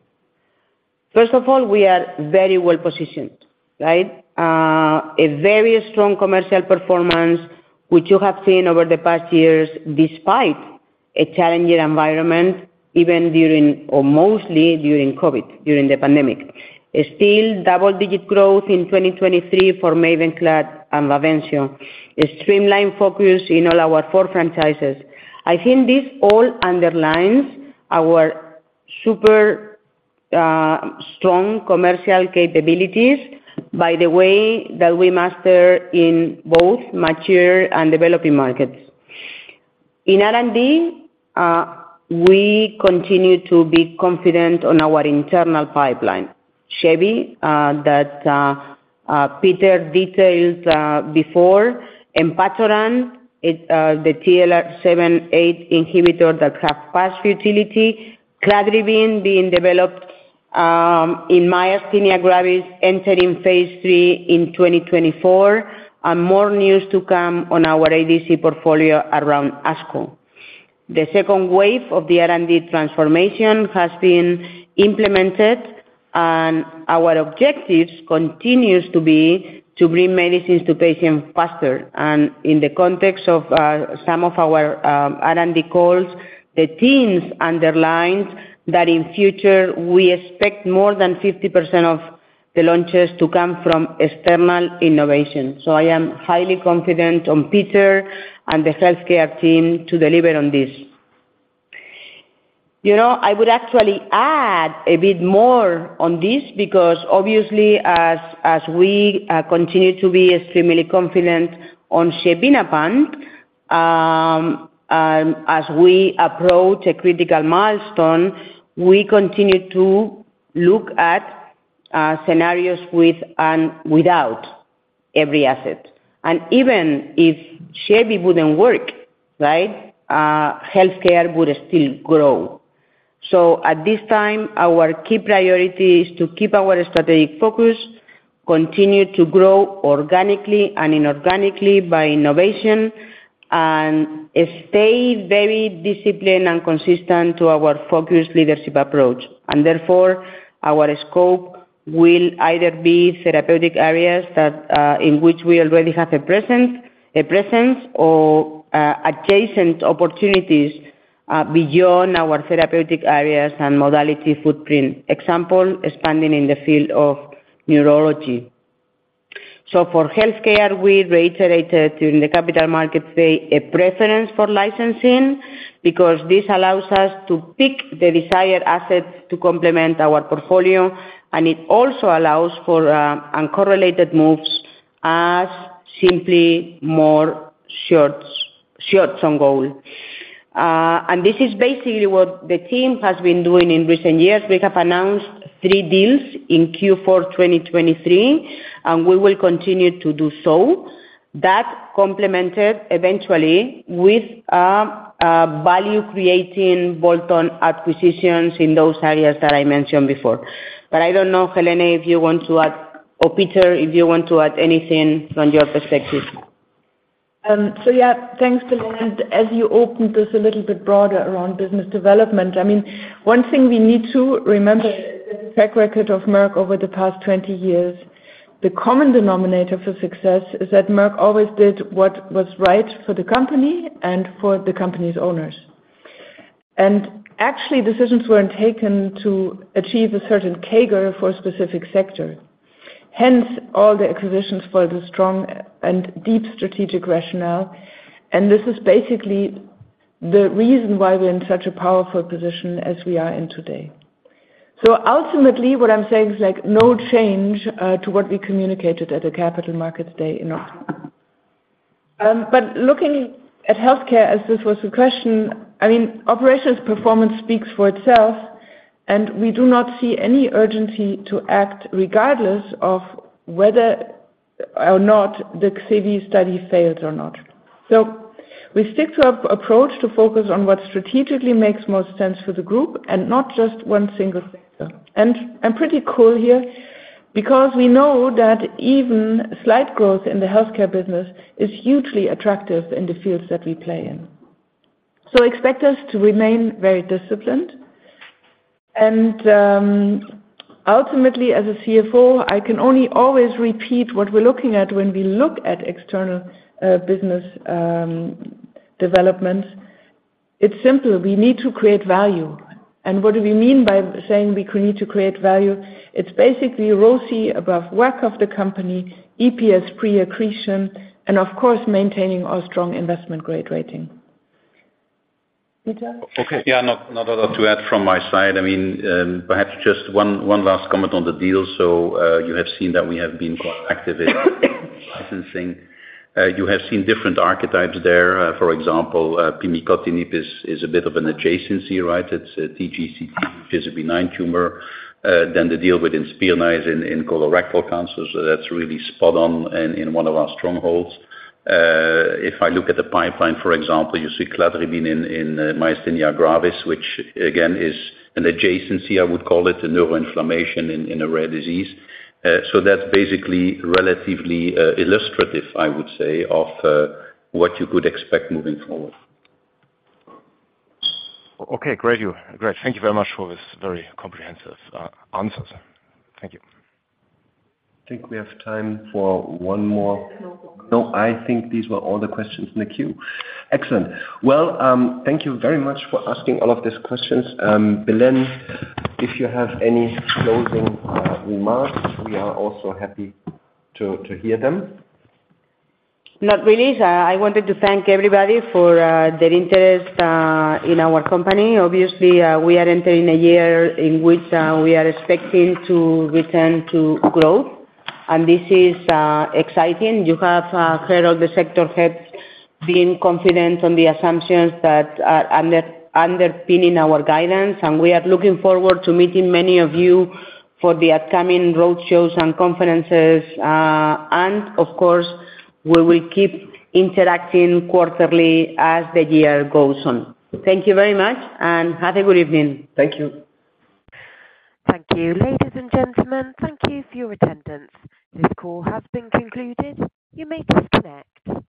First of all, we are very well positioned, right? A very strong commercial performance, which you have seen over the past years, despite a challenging environment, even during or mostly during COVID, during the pandemic. Still, double-digit growth in 2023 for Mavenclad and Bavencio. A streamlined focus in all our four franchises. I think this all underlines our super strong commercial capabilities, by the way, that we master in both mature and developing markets. In R&D, we continue to be confident on our internal pipeline. xevinapant that Peter detailed before, and enpatoran, the TLR7/8 inhibitor that have passed futility. cladribine being developed in myasthenia gravis, entering phase III in 2024, and more news to come on our ADC portfolio around ASCO. The second wave of the R&D transformation has been implemented, and our objectives continues to be to bring medicines to patients faster. In the context of some of our R&D calls, the teams underlined that in future, we expect more than 50% of the launches to come from external innovation. So I am highly confident on Peter and the healthcare team to deliver on this. You know, I would actually add a bit more on this, because obviously, as we continue to be extremely confident on xevinapant, and as we approach a critical milestone, we continue to look at scenarios with and without every asset. And even if xevinapant wouldn't WACC, right, healthcare would still grow. So at this time, our key priority is to keep our strategic focus, continue to grow organically and inorganically by innovation, and stay very disciplined and consistent to our focused leadership approach. Therefore, our scope will either be therapeutic areas that, in which we already have a presence or adjacent opportunities beyond our therapeutic areas and modality footprint. Example, expanding in the field of neurology. So for healthcare, we reiterated during the Capital Markets Day, a preference for licensing, because this allows us to pick the desired asset to complement our portfolio, and it also allows for uncorrelated moves as simply more short, short on goal. And this is basically what the team has been doing in recent years. We have announced three deals in Q4 2023, and we will continue to do so. That complemented eventually with value creating bolt-on acquisitions in those areas that I mentioned before. But I don't know, Belén, if you want to add or Peter, if you want to add anything from your perspective. So yeah, thanks, Belén. As you opened this a little bit broader around business development, I mean, one thing we need to remember is the track record of Merck over the past 20 years. The common denominator for success is that Merck always did what was right for the company and for the company's owners. And actually, decisions weren't taken to achieve a certain CAGR for a specific sector. Hence, all the acquisitions for the strong and deep strategic rationale. And this is basically the reason why we're in such a powerful position as we are in today. So ultimately, what I'm saying is like no change to what we communicated at the Capital Markets Day in October. But looking at healthcare, as this was the question, I mean, operations performance speaks for itself, and we do not see any urgency to act, regardless of whether or not the xevinapant study fails or not. So we stick to our approach to focus on what strategically makes most sense for the group and not just one single sector. And I'm pretty cool here because we know that even slight growth in the healthcare business is hugely attractive in the fields that we play in.... So expect us to remain very disciplined. And, ultimately, as a CFO, I can only always repeat what we're looking at when we look at external business development. It's simple. We need to create value. And what do we mean by saying we need to create value? It's basically ROCE above WACC of the company, EPS accretion, and of course, maintaining our strong investment grade rating. Peter? Okay. Yeah, not a lot to add from my side. I mean, perhaps just one last comment on the deal. So, you have seen that we have been quite active in licensing. You have seen different archetypes there. For example, pimicotinib is a bit of an adjacency, right? It's a TGCT, tenosynovial giant cell tumor, and the deal with Inspirna in colorectal cancer. So that's really spot on and in one of our strongholds. If I look at the pipeline, for example, you see cladribine in myasthenia gravis, which again, is an adjacency, I would call it, a neuroinflammation in a rare disease. So that's basically relatively illustrative, I would say, of what you could expect moving forward. Okay, great. Great. Thank you very much for this very comprehensive answers. Thank you. I think we have time for one more. No more questions. No, I think these were all the questions in the queue. Excellent. Well, thank you very much for asking all of these questions. Belén, if you have any closing remarks, we are also happy to hear them. Not really. I wanted to thank everybody for their interest in our company. Obviously, we are entering a year in which we are expecting to return to growth, and this is exciting. You have heard all the sector heads being confident on the assumptions that are underpinning our guidance, and we are looking forward to meeting many of you for the upcoming road shows and conferences. And of course, we will keep interacting quarterly as the year goes on. Thank you very much, and have a good evening. Thank you. Thank you, ladies and gentlemen, thank you for your attendance. This call has been concluded. You may disconnect.